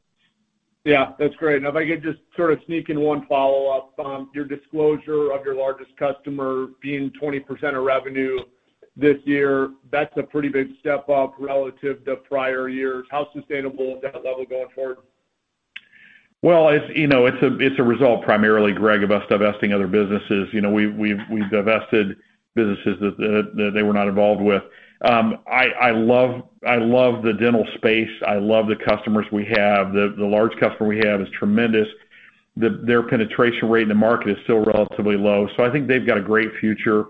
Yeah. That's great. If I could just sort of sneak in one follow-up. Your disclosure of your largest customer being 20% of revenue this year, that's a pretty big step up relative to prior years. How sustainable is that level going forward? Well, you know, it's a result primarily, Greg, of us divesting other businesses. You know, we've divested businesses that they were not involved with. I love the dental space. I love the customers we have. The large customer we have is tremendous. Their penetration rate in the market is still relatively low. I think they've got a great future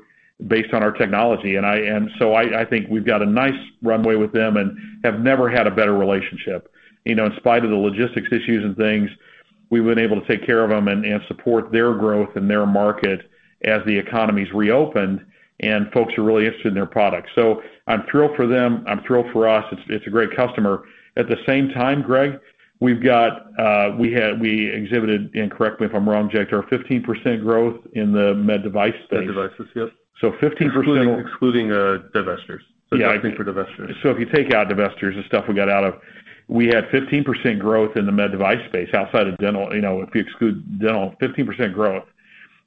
based on our technology. I think we've got a nice runway with them and have never had a better relationship. You know, in spite of the logistics issues and things, we've been able to take care of them and support their growth and their market as the economy's reopened and folks are really interested in their products. I'm thrilled for them. I'm thrilled for us. It's a great customer. At the same time, Greg, we've got we exhibited, and correct me if I'm wrong, Jagtar, our 15% growth in the med device space. Med devices, yep. 15%- Excluding divestitures. Yeah. 15 for divestitures. If you take out divestitures and stuff we got out of, we had 15% growth in the med device space outside of dental, you know, if you exclude dental, 15% growth,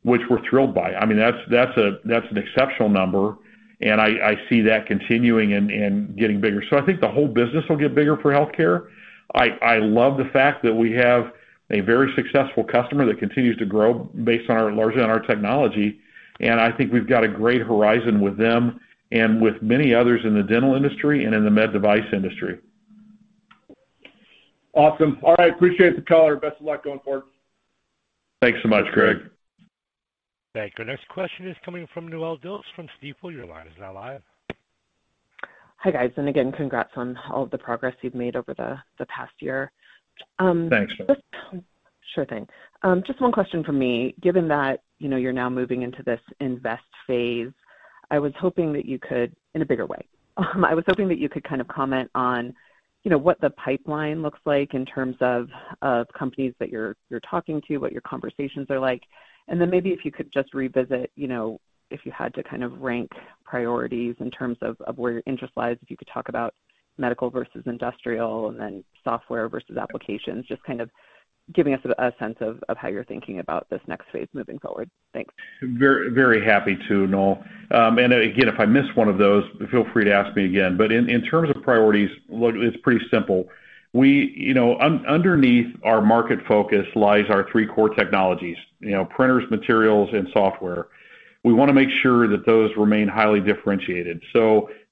which we're thrilled by. I mean, that's an exceptional number, and I see that continuing and getting bigger. I think the whole business will get bigger for healthcare. I love the fact that we have a very successful customer that continues to grow based largely on our technology, and I think we've got a great horizon with them and with many others in the dental industry and in the med device industry. Awesome. All right. Appreciate the color. Best of luck going forward. Thanks so much, Greg. Thank you. Next question is coming from Noelle Dilts from Stifel. Your line is now live. Hi, guys. Again, congrats on all of the progress you've made over the past year. Thanks, Noelle. Sure thing. Just one question from me. Given that, you know, you're now moving into this invest phase, in a bigger way, I was hoping that you could kind of comment on, you know, what the pipeline looks like in terms of companies that you're talking to, what your conversations are like. Then maybe if you could just revisit, you know, if you had to kind of rank priorities in terms of where your interest lies, if you could talk about medical versus industrial and then software versus applications, just kind of giving us a sense of how you're thinking about this next phase moving forward. Thanks. Very happy to, Noelle. And again, if I miss one of those, feel free to ask me again. In terms of priorities, look, it's pretty simple. We, you know, underneath our market focus lies our three core technologies, you know, printers, materials, and software. We wanna make sure that those remain highly differentiated.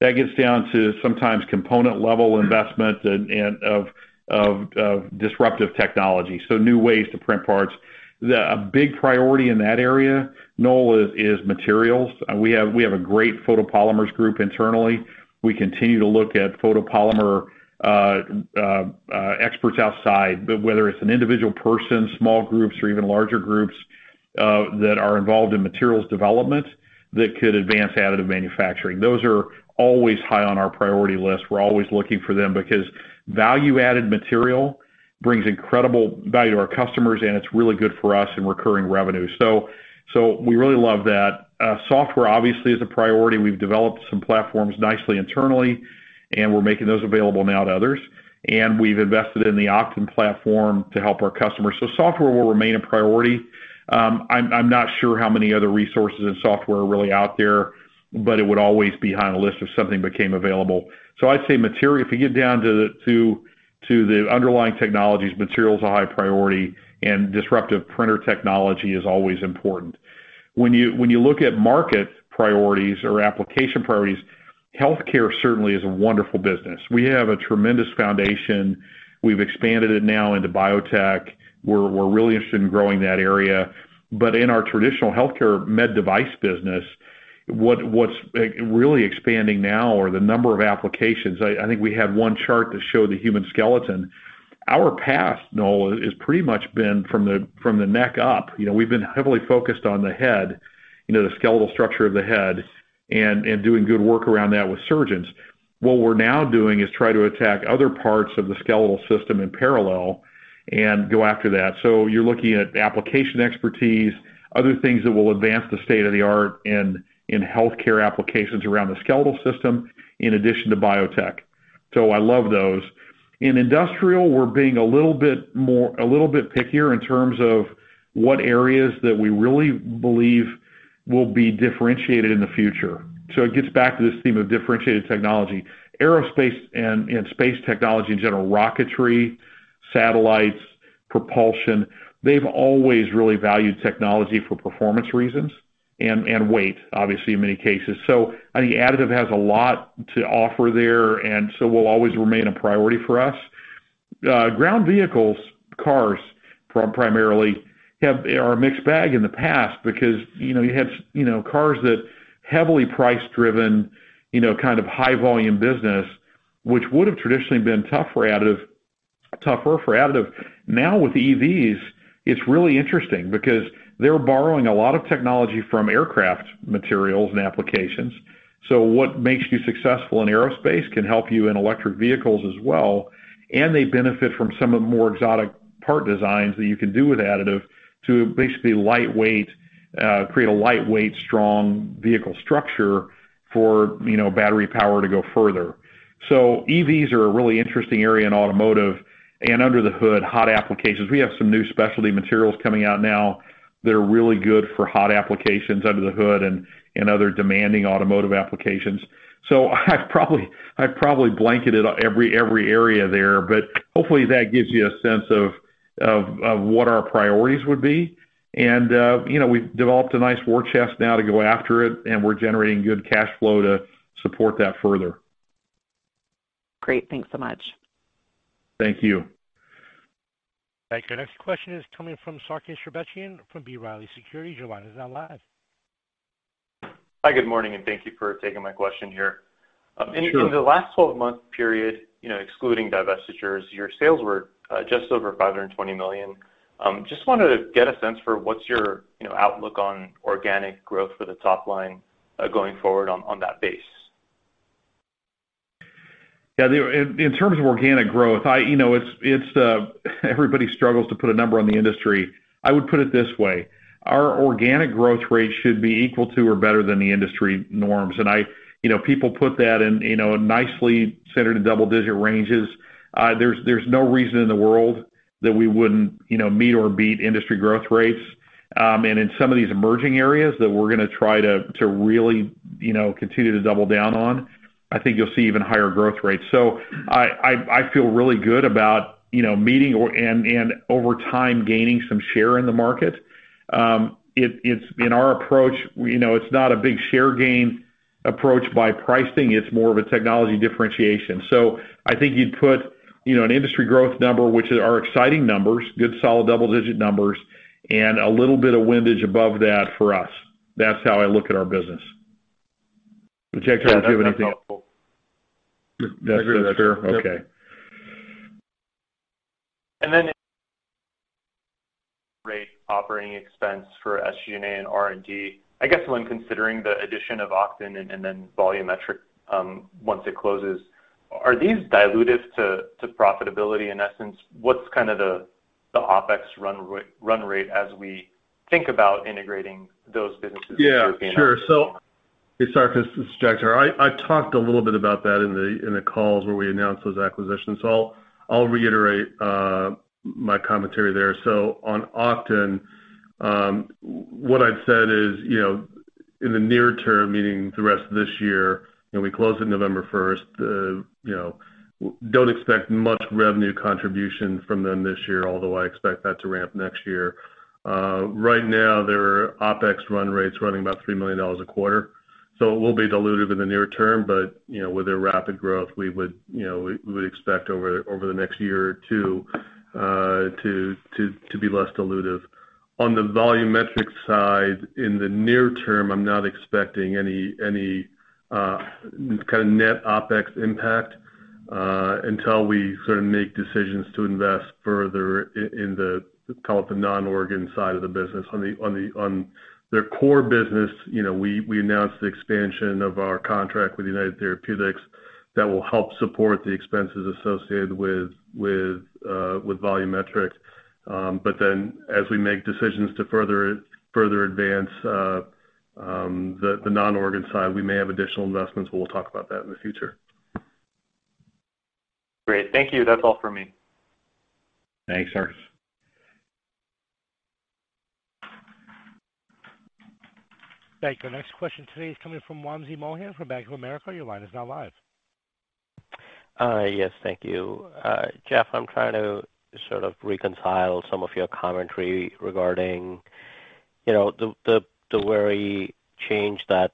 That gets down to sometimes component level investment and of disruptive technology, so new ways to print parts. The big priority in that area, Noelle, is materials. We have a great photopolymers group internally. We continue to look at photopolymer experts outside, but whether it's an individual person, small groups, or even larger groups that are involved in materials development that could advance additive manufacturing. Those are always high on our priority list. We're always looking for them because value-added material brings incredible value to our customers, and it's really good for us in recurring revenue. We really love that. Software obviously is a priority. We've developed some platforms nicely internally, and we're making those available now to others. We've invested in the Oqton platform to help our customers. Software will remain a priority. I'm not sure how many other resources and software are really out there, but it would always be high on the list if something became available. I'd say material, if we get down to the underlying technologies, materials are high priority, and disruptive printer technology is always important. When you look at market priorities or application priorities, healthcare certainly is a wonderful business. We have a tremendous foundation. We've expanded it now into biotech. We're really interested in growing that area. In our traditional healthcare med device business, what's really expanding now are the number of applications. I think we have one chart that showed the human skeleton. Our path, Noelle, has pretty much been from the neck up. You know, we've been heavily focused on the head, you know, the skeletal structure of the head and doing good work around that with surgeons. What we're now doing is try to attack other parts of the skeletal system in parallel and go after that. You're looking at application expertise, other things that will advance the state-of-the-art in healthcare applications around the skeletal system, in addition to biotech. I love those. In industrial, we're being a little bit pickier in terms of what areas that we really believe will be differentiated in the future. It gets back to this theme of differentiated technology. Aerospace and space technology in general, rocketry, satellites, propulsion, they've always really valued technology for performance reasons and weight, obviously, in many cases. I think additive has a lot to offer there, and so will always remain a priority for us. Ground vehicles, cars primarily, are a mixed bag in the past because, you know, you had, you know, cars that heavily price-driven, you know, kind of high volume business, which would have traditionally been tough for additive, tougher for additive. Now with EVs, it's really interesting because they're borrowing a lot of technology from aircraft materials and applications. What makes you successful in aerospace can help you in electric vehicles as well, and they benefit from some of the more exotic part designs that you can do with additive to basically create a lightweight, strong vehicle structure for battery power to go further. EVs are a really interesting area in automotive and under the hood, hot applications. We have some new specialty materials coming out now that are really good for hot applications under the hood and other demanding automotive applications. I've probably blanketed every area there, but hopefully, that gives you a sense of what our priorities would be. We've developed a nice war chest now to go after it, and we're generating good cash flow to support that further. Great. Thanks so much. Thank you. Thank you. Next question is coming from Sarkis Sherbetchian from B. Riley Securities. Your line is now live. Hi, good morning, and thank you for taking my question here. Sure. In the last twelve-month period, you know, excluding divestitures, your sales were just over $520 million. Just wanted to get a sense for what's your, you know, outlook on organic growth for the top line, going forward on that base. Yeah, in terms of organic growth, I, you know, it's everybody struggles to put a number on the industry. I would put it this way. Our organic growth rate should be equal to or better than the industry norms. You know, people put that in, you know, nicely centered in double-digit ranges. There's no reason in the world that we wouldn't, you know, meet or beat industry growth rates. And in some of these emerging areas that we're gonna try to really, you know, continue to double down on, I think you'll see even higher growth rates. I feel really good about, you know, meeting or beating, and over time, gaining some share in the market. in our approach, you know, it's not a big share gain approach by pricing, it's more of a technology differentiation. I think you'd put, you know, an industry growth number, which are exciting numbers, good solid double-digit numbers, and a little bit of windage above that for us. That's how I look at our business. Jagtar Narula or Noel, do you have anything? That's helpful. That's fair? Okay. Rate operating expense for SG&A and R&D. I guess when considering the addition of Oqton and then Volumetric, once it closes, are these dilutive to profitability in essence? What's kind of the OpEx run rate as we think about integrating those businesses into SG&A? Hey, sorry, this is Jagtar Narula. I talked a little bit about that in the calls where we announced those acquisitions. I'll reiterate my commentary there. On Oqton, what I've said is, you know, in the near term, meaning the rest of this year, you know, we close on November first, you know, don't expect much revenue contribution from them this year, although I expect that to ramp next year. Right now, their OpEx run rate's running about $3 million a quarter. It will be dilutive in the near term, but, you know, with their rapid growth, we would expect over the next year or two to be less dilutive. On the Volumetric side, in the near term, I'm not expecting any kind of net OpEx impact until we sort of make decisions to invest further in the call it the non-organ side of the business. On their core business, you know, we announced the expansion of our contract with United Therapeutics that will help support the expenses associated with Volumetric. As we make decisions to further advance the non-organ side, we may have additional investments, but we'll talk about that in the future. Great. Thank you. That's all for me. Thanks, Sir. Thank you. Next question today is coming from Wamsi Mohan from Bank of America. Your line is now live. Yes, thank you. Jeff, I'm trying to sort of reconcile some of your commentary regarding, you know, the very change that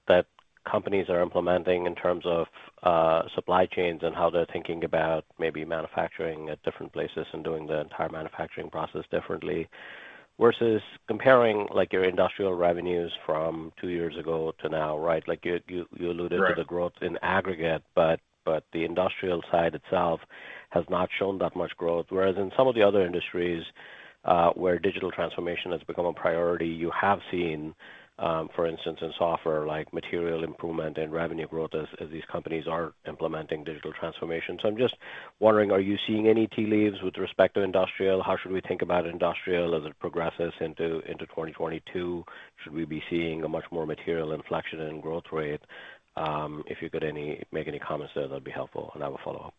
companies are implementing in terms of supply chains and how they're thinking about maybe manufacturing at different places and doing the entire manufacturing process differently versus comparing, like, your industrial revenues from two years ago to now, right? Like, you alluded- Right. to the growth in aggregate, but the industrial side itself has not shown that much growth. Whereas in some of the other industries, where digital transformation has become a priority, you have seen, for instance, in software, like material improvement and revenue growth as these companies are implementing digital transformation. So I'm just wondering, are you seeing any tea leaves with respect to industrial? How should we think about industrial as it progresses into 2022? Should we be seeing a much more material inflection in growth rate? If you could make any comments there, that'd be helpful. I have a follow-up.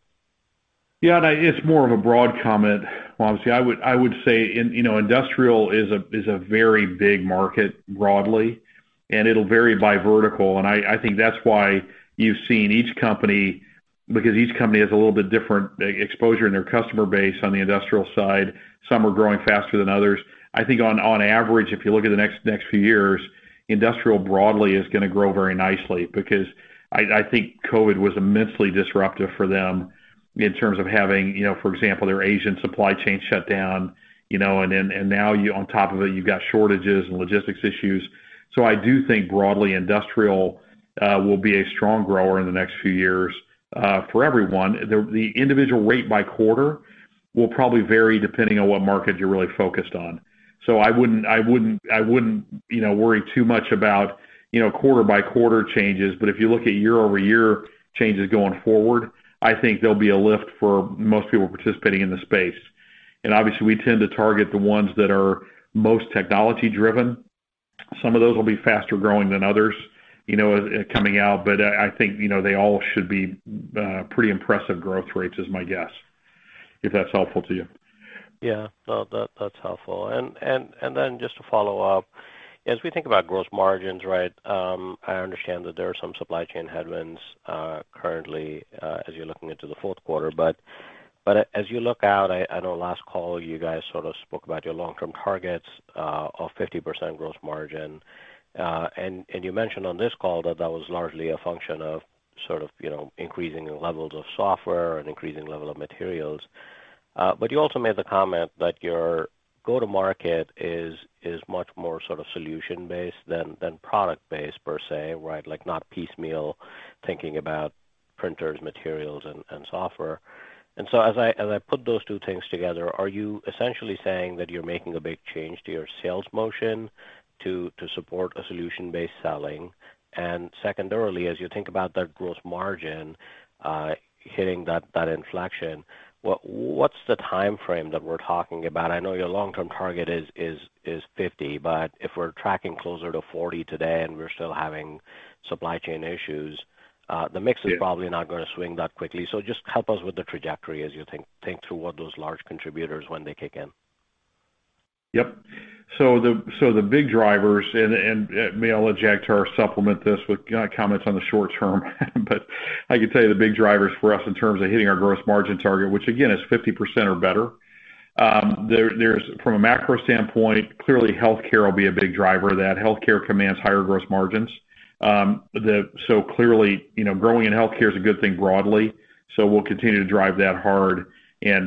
Yeah. It's more of a broad comment, Wamsi. I would say you know, industrial is a very big market broadly, and it'll vary by vertical. I think that's why you've seen each company, because each company has a little bit different exposure in their customer base on the industrial side. Some are growing faster than others. I think on average, if you look at the next few years, industrial broadly is gonna grow very nicely because I think COVID was immensely disruptive for them in terms of having you know, for example, their Asian supply chain shut down, you know, and then and now on top of it, you've got shortages and logistics issues. I do think broadly industrial will be a strong grower in the next few years for everyone. The individual rate by quarter will probably vary depending on what market you're really focused on. I wouldn't you know, worry too much about, you know, quarter-by-quarter changes. If you look at year-over-year changes going forward, I think there'll be a lift for most people participating in the space. Obviously, we tend to target the ones that are most technology-driven. Some of those will be faster growing than others, you know, coming out. I think, you know, they all should be pretty impressive growth rates is my guess, if that's helpful to you. Yeah. No, that's helpful. Then just to follow up, as we think about gross margins, right, I understand that there are some supply chain headwinds, currently, as you're looking into the fourth quarter. As you look out, I know last call you guys sort of spoke about your long-term targets, of 50% gross margin. You mentioned on this call that that was largely a function of sort of, you know, increasing levels of software and increasing level of materials. You also made the comment that your go-to-market is much more sort of solution-based than product-based per se, right? Like not piecemeal thinking about printers, materials, and software. As I put those two things together, are you essentially saying that you're making a big change to your sales motion to support a solution-based selling? Secondarily, as you think about that gross margin hitting that inflection, what's the timeframe that we're talking about? I know your long-term target is 50%, but if we're tracking closer to 40% today and we're still having supply chain issues. Yeah. The mix is probably not gonna swing that quickly. Just help us with the trajectory as you think through what those large contributors when they kick in. Yep. The big drivers, and maybe I'll let Jagtar Narula supplement this with comments on the short term, but I can tell you the big drivers for us in terms of hitting our gross margin target, which again is 50% or better. From a macro standpoint, clearly healthcare will be a big driver. That healthcare commands higher gross margins. Clearly, you know, growing in healthcare is a good thing broadly. We'll continue to drive that hard.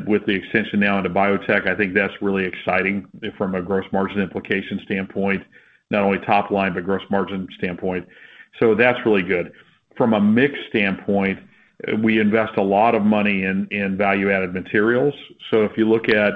With the extension now into biotech, I think that's really exciting from a gross margin implication standpoint, not only top line, but gross margin standpoint. That's really good. From a mix standpoint, we invest a lot of money in value-added materials. If you look at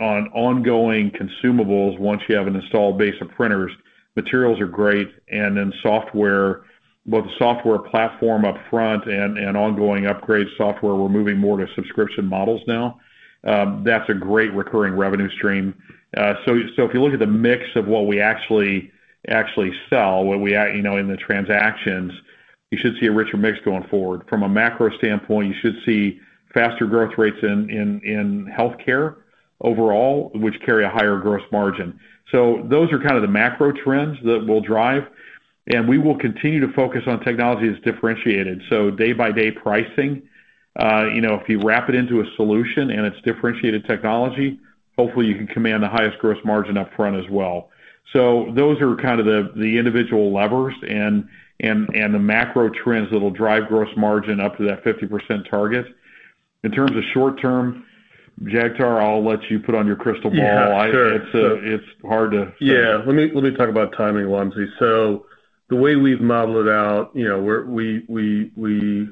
ongoing consumables, once you have an installed base of printers, materials are great. Then software, both the software platform upfront and ongoing upgrade software, we're moving more to subscription models now. That's a great recurring revenue stream. If you look at the mix of what we actually sell, what we, you know, in the transactions. You should see a richer mix going forward. From a macro standpoint, you should see faster growth rates in healthcare overall, which carry a higher gross margin. Those are kind of the macro trends that we'll drive, and we will continue to focus on technology that's differentiated. Day by day pricing, you know, if you wrap it into a solution and it's differentiated technology, hopefully you can command the highest gross margin up front as well. Those are kind of the individual levers and the macro trends that'll drive gross margin up to that 50% target. In terms of short term, Jagtar, I'll let you put on your crystal ball. Yeah, sure. It's hard to say. Let me talk about timing, Wamsi. The way we've modeled it out, we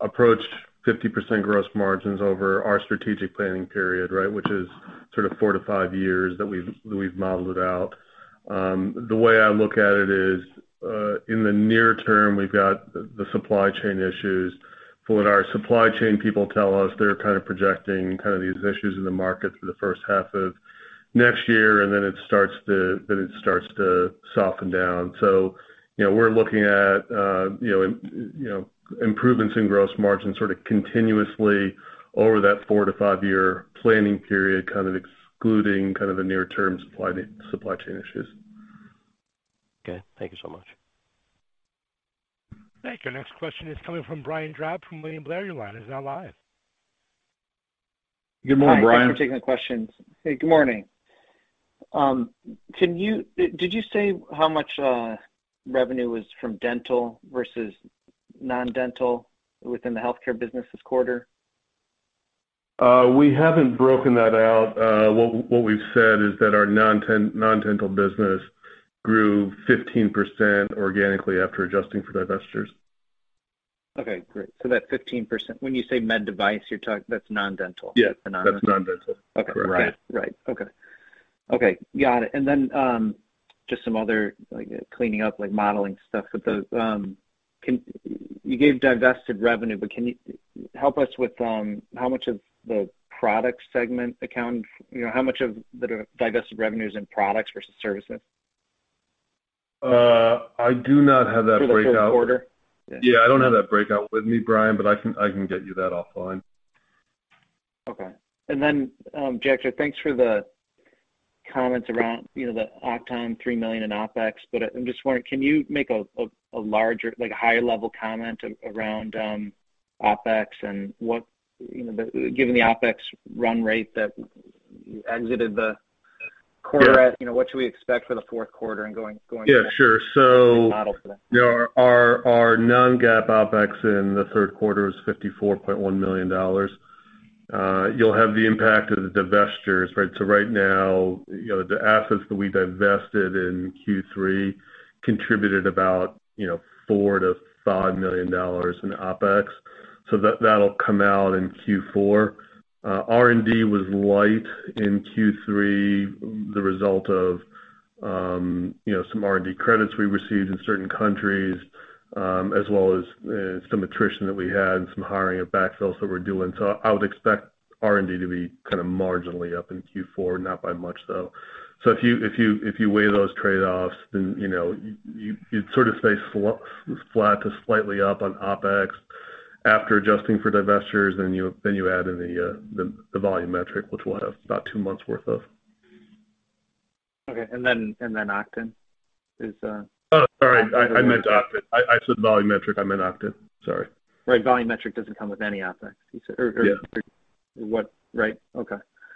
approached 50% gross margins over our strategic planning period, right? Which is sort of 4-5 years that we've modeled it out. The way I look at it is, in the near term, we've got the supply chain issues. From what our supply chain people tell us, they're kind of projecting kind of these issues in the market for the first half of next year, and then it starts to soften down. You know, we're looking at improvements in gross margin sort of continuously over that 4-5-year planning period, kind of excluding the near term supply chain issues. Okay. Thank you so much. Thank you. Next question is coming from Brian Drab from William Blair. Line is now live. Good morning, Brian. Hi. Thanks for taking the questions. Hey, good morning. Did you say how much revenue was from dental versus non-dental within the healthcare business this quarter? We haven't broken that out. What we've said is that our non-dental business grew 15% organically after adjusting for divestitures. Okay, great. That 15%. When you say med device, that's non-dental? Yeah. The non-dental. That's non-dental. Okay. Correct. Right. Okay, got it. Just some other, like, cleaning up, like, modeling stuff. You gave divested revenue, but can you help us with, you know, how much of the divested revenue is in products versus services? I do not have that breakout. For the third quarter. Yeah, I don't have that breakout with me, Brian, but I can get you that offline. Okay. Jagtar, thanks for the comments around, you know, the Oqton $3 million in OpEx. I'm just wondering, can you make a larger, like, higher level comment around OpEx and what you know, given the OpEx run rate that exited the quarter at Yeah. You know, what should we expect for the fourth quarter and going forward? Yeah, sure. model for that. Our non-GAAP OpEx in the third quarter is $54.1 million. You'll have the impact of the divestitures, right? So right now, you know, the assets that we divested in Q3 contributed about, you know, $4 million-$5 million in OpEx. So that'll come out in Q4. R&D was light in Q3, the result of, you know, some R&D credits we received in certain countries, as well as, some attrition that we had and some hiring of backfills that we're doing. So I would expect R&D to be kind of marginally up in Q4, not by much, though. If you weigh those trade-offs, then, you know, you'd sort of stay flat to slightly up on OpEx after adjusting for divestitures, then you add in the Volumetric, which we'll have about two months worth of. Okay. Oqton is Oh, sorry. I meant Oqton. I said Volumetric. I meant Oqton. Sorry. Right. Volumetric doesn't come with any OpEx, you said. Yeah. Right. Okay.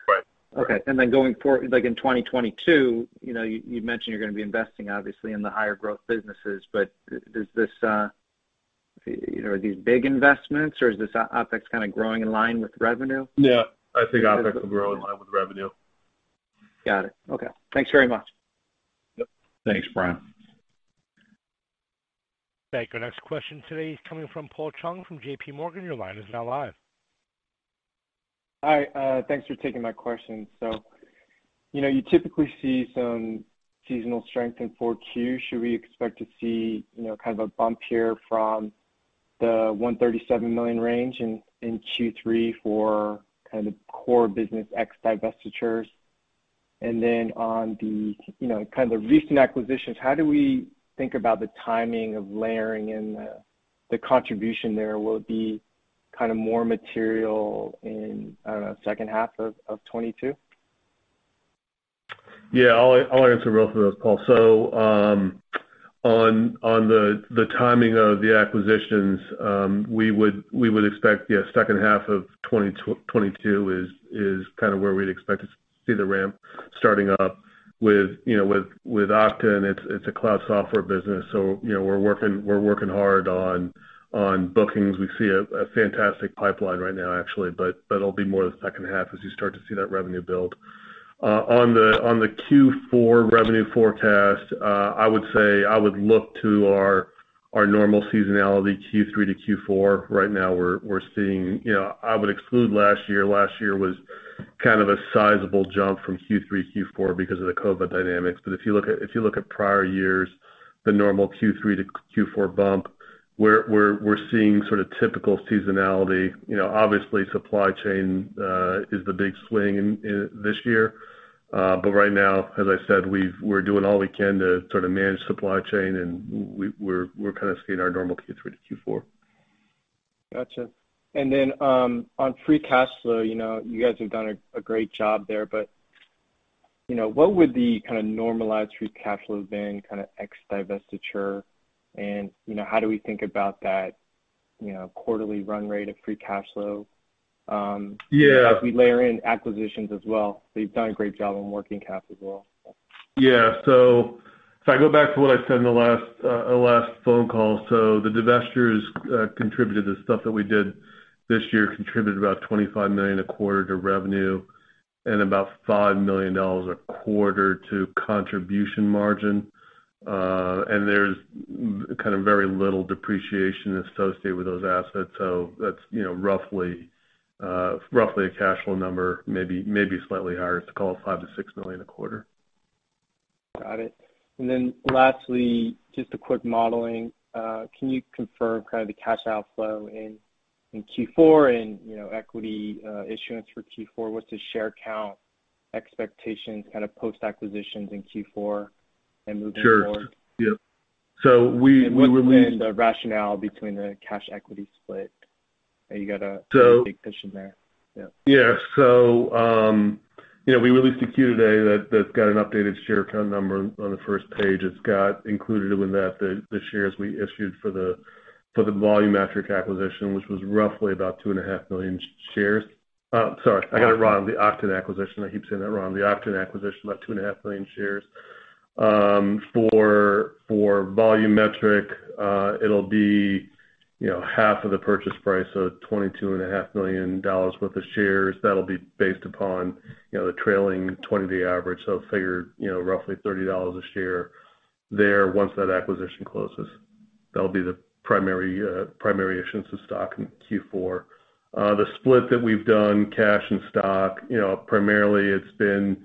Right. Right. Okay. Then going forward, like in 2022, you know, you mentioned you're gonna be investing obviously in the higher growth businesses. But does this? You know, are these big investments or is this OpEx kinda growing in line with revenue? Yeah. I think OpEx will grow in line with revenue. Got it. Okay. Thanks very much. Yep. Thanks, Brian. Thank you. Next question today is coming from Paul Chung from J.P. Morgan. Your line is now live. Hi. Thanks for taking my question. You know, you typically see some seasonal strength in 4Q. Should we expect to see, you know, kind of a bump here from the $137 million range in Q3 for kind of core business ex divestitures? And then on the, you know, kind of the recent acquisitions, how do we think about the timing of layering in the contribution there? Will it be kind of more material in, I don't know, second half of 2022? Yeah. I'll answer both of those, Paul. On the timing of the acquisitions we would expect second half of 2022 is kind of where we'd expect to see the ramp starting up. With you know with Oqton it's a cloud software business so you know we're working hard on bookings. We see a fantastic pipeline right now actually but that'll be more the second half as you start to see that revenue build. On the Q4 revenue forecast I would say I would look to our normal seasonality Q3 to Q4. Right now we're seeing you know I would exclude last year. Last year was kind of a sizable jump from Q3 to Q4 because of the COVID dynamics. If you look at prior years, the normal Q3 to Q4 bump, we're seeing sort of typical seasonality. You know, obviously, supply chain is the big swing in this year. Right now, as I said, we're doing all we can to sort of manage supply chain, and we're kind of seeing our normal Q3 to Q4. Gotcha. On free cash flow, you know, you guys have done a great job there, but, you know, what would the kind of normalized free cash flow have been kind of ex divestiture and, you know, how do we think about that, you know, quarterly run rate of free cash flow? Yeah as we layer in acquisitions as well? You've done a great job on working capital as well. Yeah. If I go back to what I said in the last phone call, the divestitures, the stuff that we did this year, contributed about $25 million a quarter to revenue and about $5 million a quarter to contribution margin. There's kind of very little depreciation associated with those assets. That's, you know, roughly a cash flow number, maybe slightly higher. Let's call it $5 million-$6 million a quarter. Got it. Lastly, just a quick modeling. Can you confirm kind of the cash outflow in Q4 and, you know, equity issuance for Q4? What's the share count expectations kind of post-acquisitions in Q4 and moving forward? Sure. Yeah. We released- What's been the rationale between the cash equity split? You got a- So- Big pitch in there. Yeah. Yeah. You know, we released a 10-Q today that's got an updated share count number on the first page. It's got included within that the shares we issued for the Volumetric acquisition, which was roughly about 2.5 million shares. Sorry, I got it wrong. The Oqton acquisition, I keep saying that wrong. The Oqton acquisition, about 2.5 million shares. For Volumetric, it'll be you know, half of the purchase price, so $22.5 million worth of shares. That'll be based upon you know, the trailing 20-day average. Figure you know, roughly $30 a share there once that acquisition closes. That'll be the primary issuance of stock in Q4. The split that we've done, cash and stock, you know, primarily it's been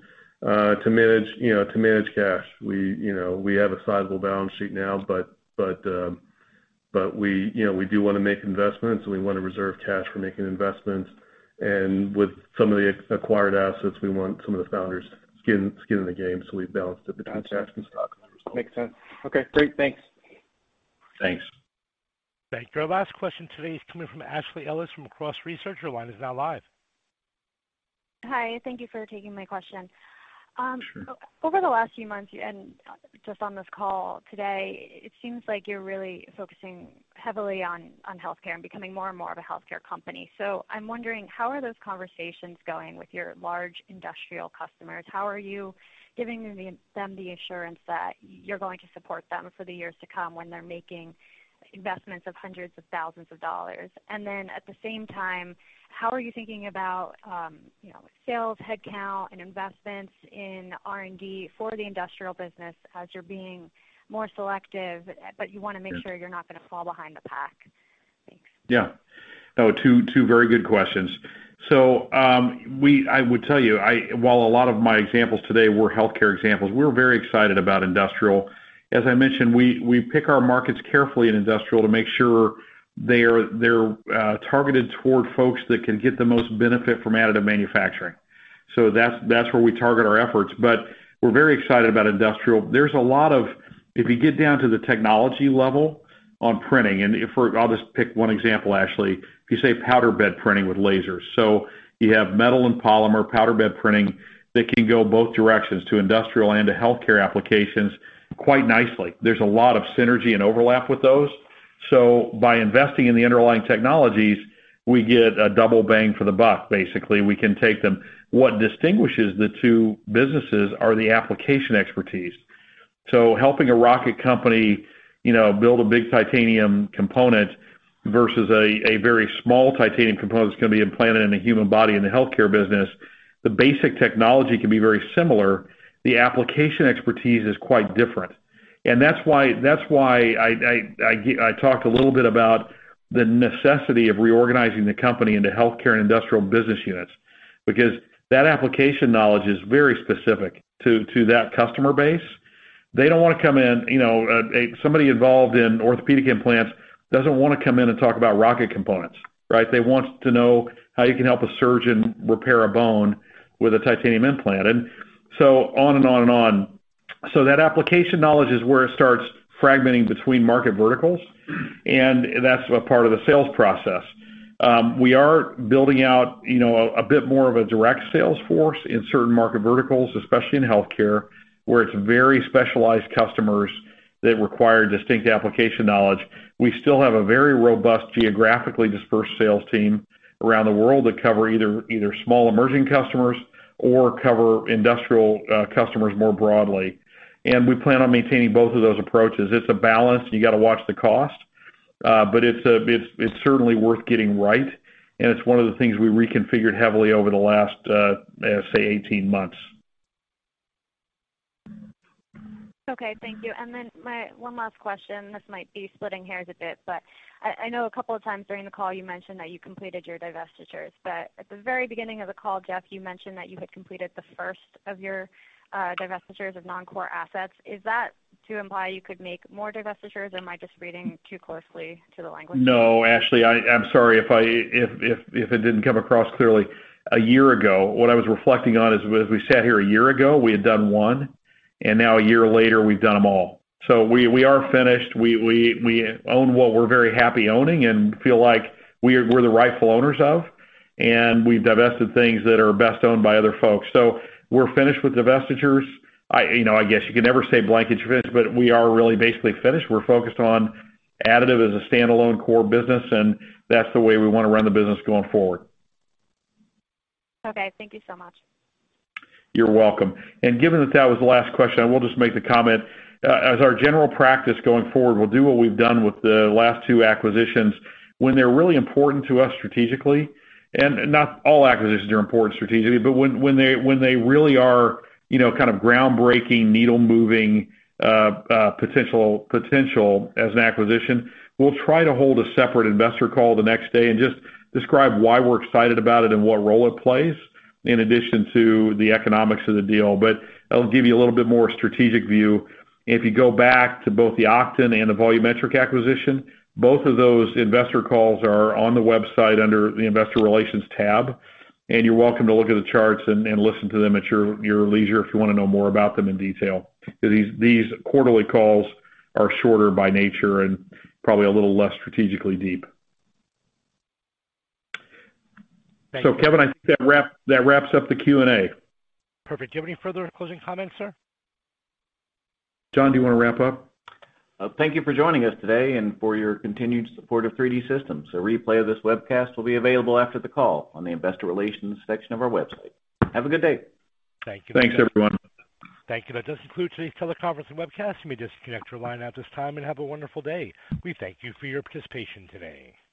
to manage, you know, to manage cash. We, you know, we have a sizable balance sheet now, but we, you know, we do wanna make investments and we wanna reserve cash for making investments. With some of the acquired assets, we want some of the founders' skin in the game, so we've balanced it between cash and stock. Makes sense. Okay, great. Thanks. Thanks. Thank you. Our last question today is coming from Ashley Ellis from Cross Research. Your line is now live. Hi. Thank you for taking my question. Sure. Over the last few months and just on this call today, it seems like you're really focusing heavily on healthcare and becoming more and more of a healthcare company. I'm wondering, how are those conversations going with your large industrial customers? How are you giving them the assurance that you're going to support them for the years to come when they're making investments of hundreds of thousands of dollars? At the same time, how are you thinking about, you know, sales headcount and investments in R&D for the industrial business as you're being more selective, but you wanna make sure you're not gonna fall behind the pack? Thanks. No, two very good questions. I would tell you while a lot of my examples today were healthcare examples, we're very excited about industrial. As I mentioned, we pick our markets carefully in industrial to make sure they're targeted toward folks that can get the most benefit from additive manufacturing. That's where we target our efforts. We're very excited about industrial. If you get down to the technology level on printing, I'll just pick one example, Ashley. If you say powder bed fusion with lasers. You have metal and polymer powder bed fusion that can go both directions to industrial and to healthcare applications quite nicely. There's a lot of synergy and overlap with those. By investing in the underlying technologies, we get a double bang for the buck, basically. We can take them. What distinguishes the two businesses are the application expertise. Helping a rocket company, you know, build a big titanium component versus a very small titanium component that's gonna be implanted in the human body in the healthcare business, the basic technology can be very similar. The application expertise is quite different. That's why I talked a little bit about the necessity of reorganizing the company into Healthcare and Industrial business units, because that application knowledge is very specific to that customer base. They don't wanna come in, you know. Somebody involved in orthopedic implants doesn't wanna come in and talk about rocket components, right? They want to know how you can help a surgeon repair a bone with a titanium implant. On and on and on. That application knowledge is where it starts fragmenting between market verticals, and that's a part of the sales process. We are building out, you know, a bit more of a direct sales force in certain market verticals, especially in healthcare, where it's very specialized customers that require distinct application knowledge. We still have a very robust geographically dispersed sales team around the world that cover either small emerging customers or cover industrial customers more broadly. We plan on maintaining both of those approaches. It's a balance. You gotta watch the cost, but it's certainly worth getting right, and it's one of the things we reconfigured heavily over the last, I'd say 18 months. Okay, thank you. My one last question, this might be splitting hairs a bit, but I know a couple of times during the call you mentioned that you completed your divestitures. At the very beginning of the call, Jeff, you mentioned that you had completed the first of your divestitures of non-core assets. Is that to imply you could make more divestitures, or am I just reading too closely to the language? No, Ashley, I'm sorry if it didn't come across clearly. A year ago, what I was reflecting on is as we sat here a year ago, we had done one, and now a year later, we've done them all. We are finished. We own what we're very happy owning and feel like we're the rightful owners of, and we've divested things that are best owned by other folks. We're finished with divestitures. You know, I guess you can never say blanket finished, but we are really basically finished. We're focused on additive as a standalone core business, and that's the way we wanna run the business going forward. Okay, thank you so much. You're welcome. Given that that was the last question, I will just make the comment. As our general practice going forward, we'll do what we've done with the last two acquisitions. When they're really important to us strategically, and not all acquisitions are important strategically, but when they really are, you know, kind of groundbreaking, needle-moving, potential as an acquisition, we'll try to hold a separate investor call the next day and just describe why we're excited about it and what role it plays in addition to the economics of the deal. That'll give you a little bit more strategic view. If you go back to both the Oqton and the Volumetric acquisition, both of those investor calls are on the website under the Investor Relations tab, and you're welcome to look at the charts and listen to them at your leisure if you wanna know more about them in detail. These quarterly calls are shorter by nature and probably a little less strategically deep. Thank you. Kevin, I think that wraps up the Q&A. Perfect. Do you have any further closing comments, sir? John, do you wanna wrap up? Thank you for joining us today and for your continued support of 3D Systems. A replay of this webcast will be available after the call on the Investor Relations section of our website. Have a good day. Thank you. Thanks, everyone. Thank you. That does conclude today's teleconference and webcast. You may disconnect your line at this time and have a wonderful day. We thank you for your participation today.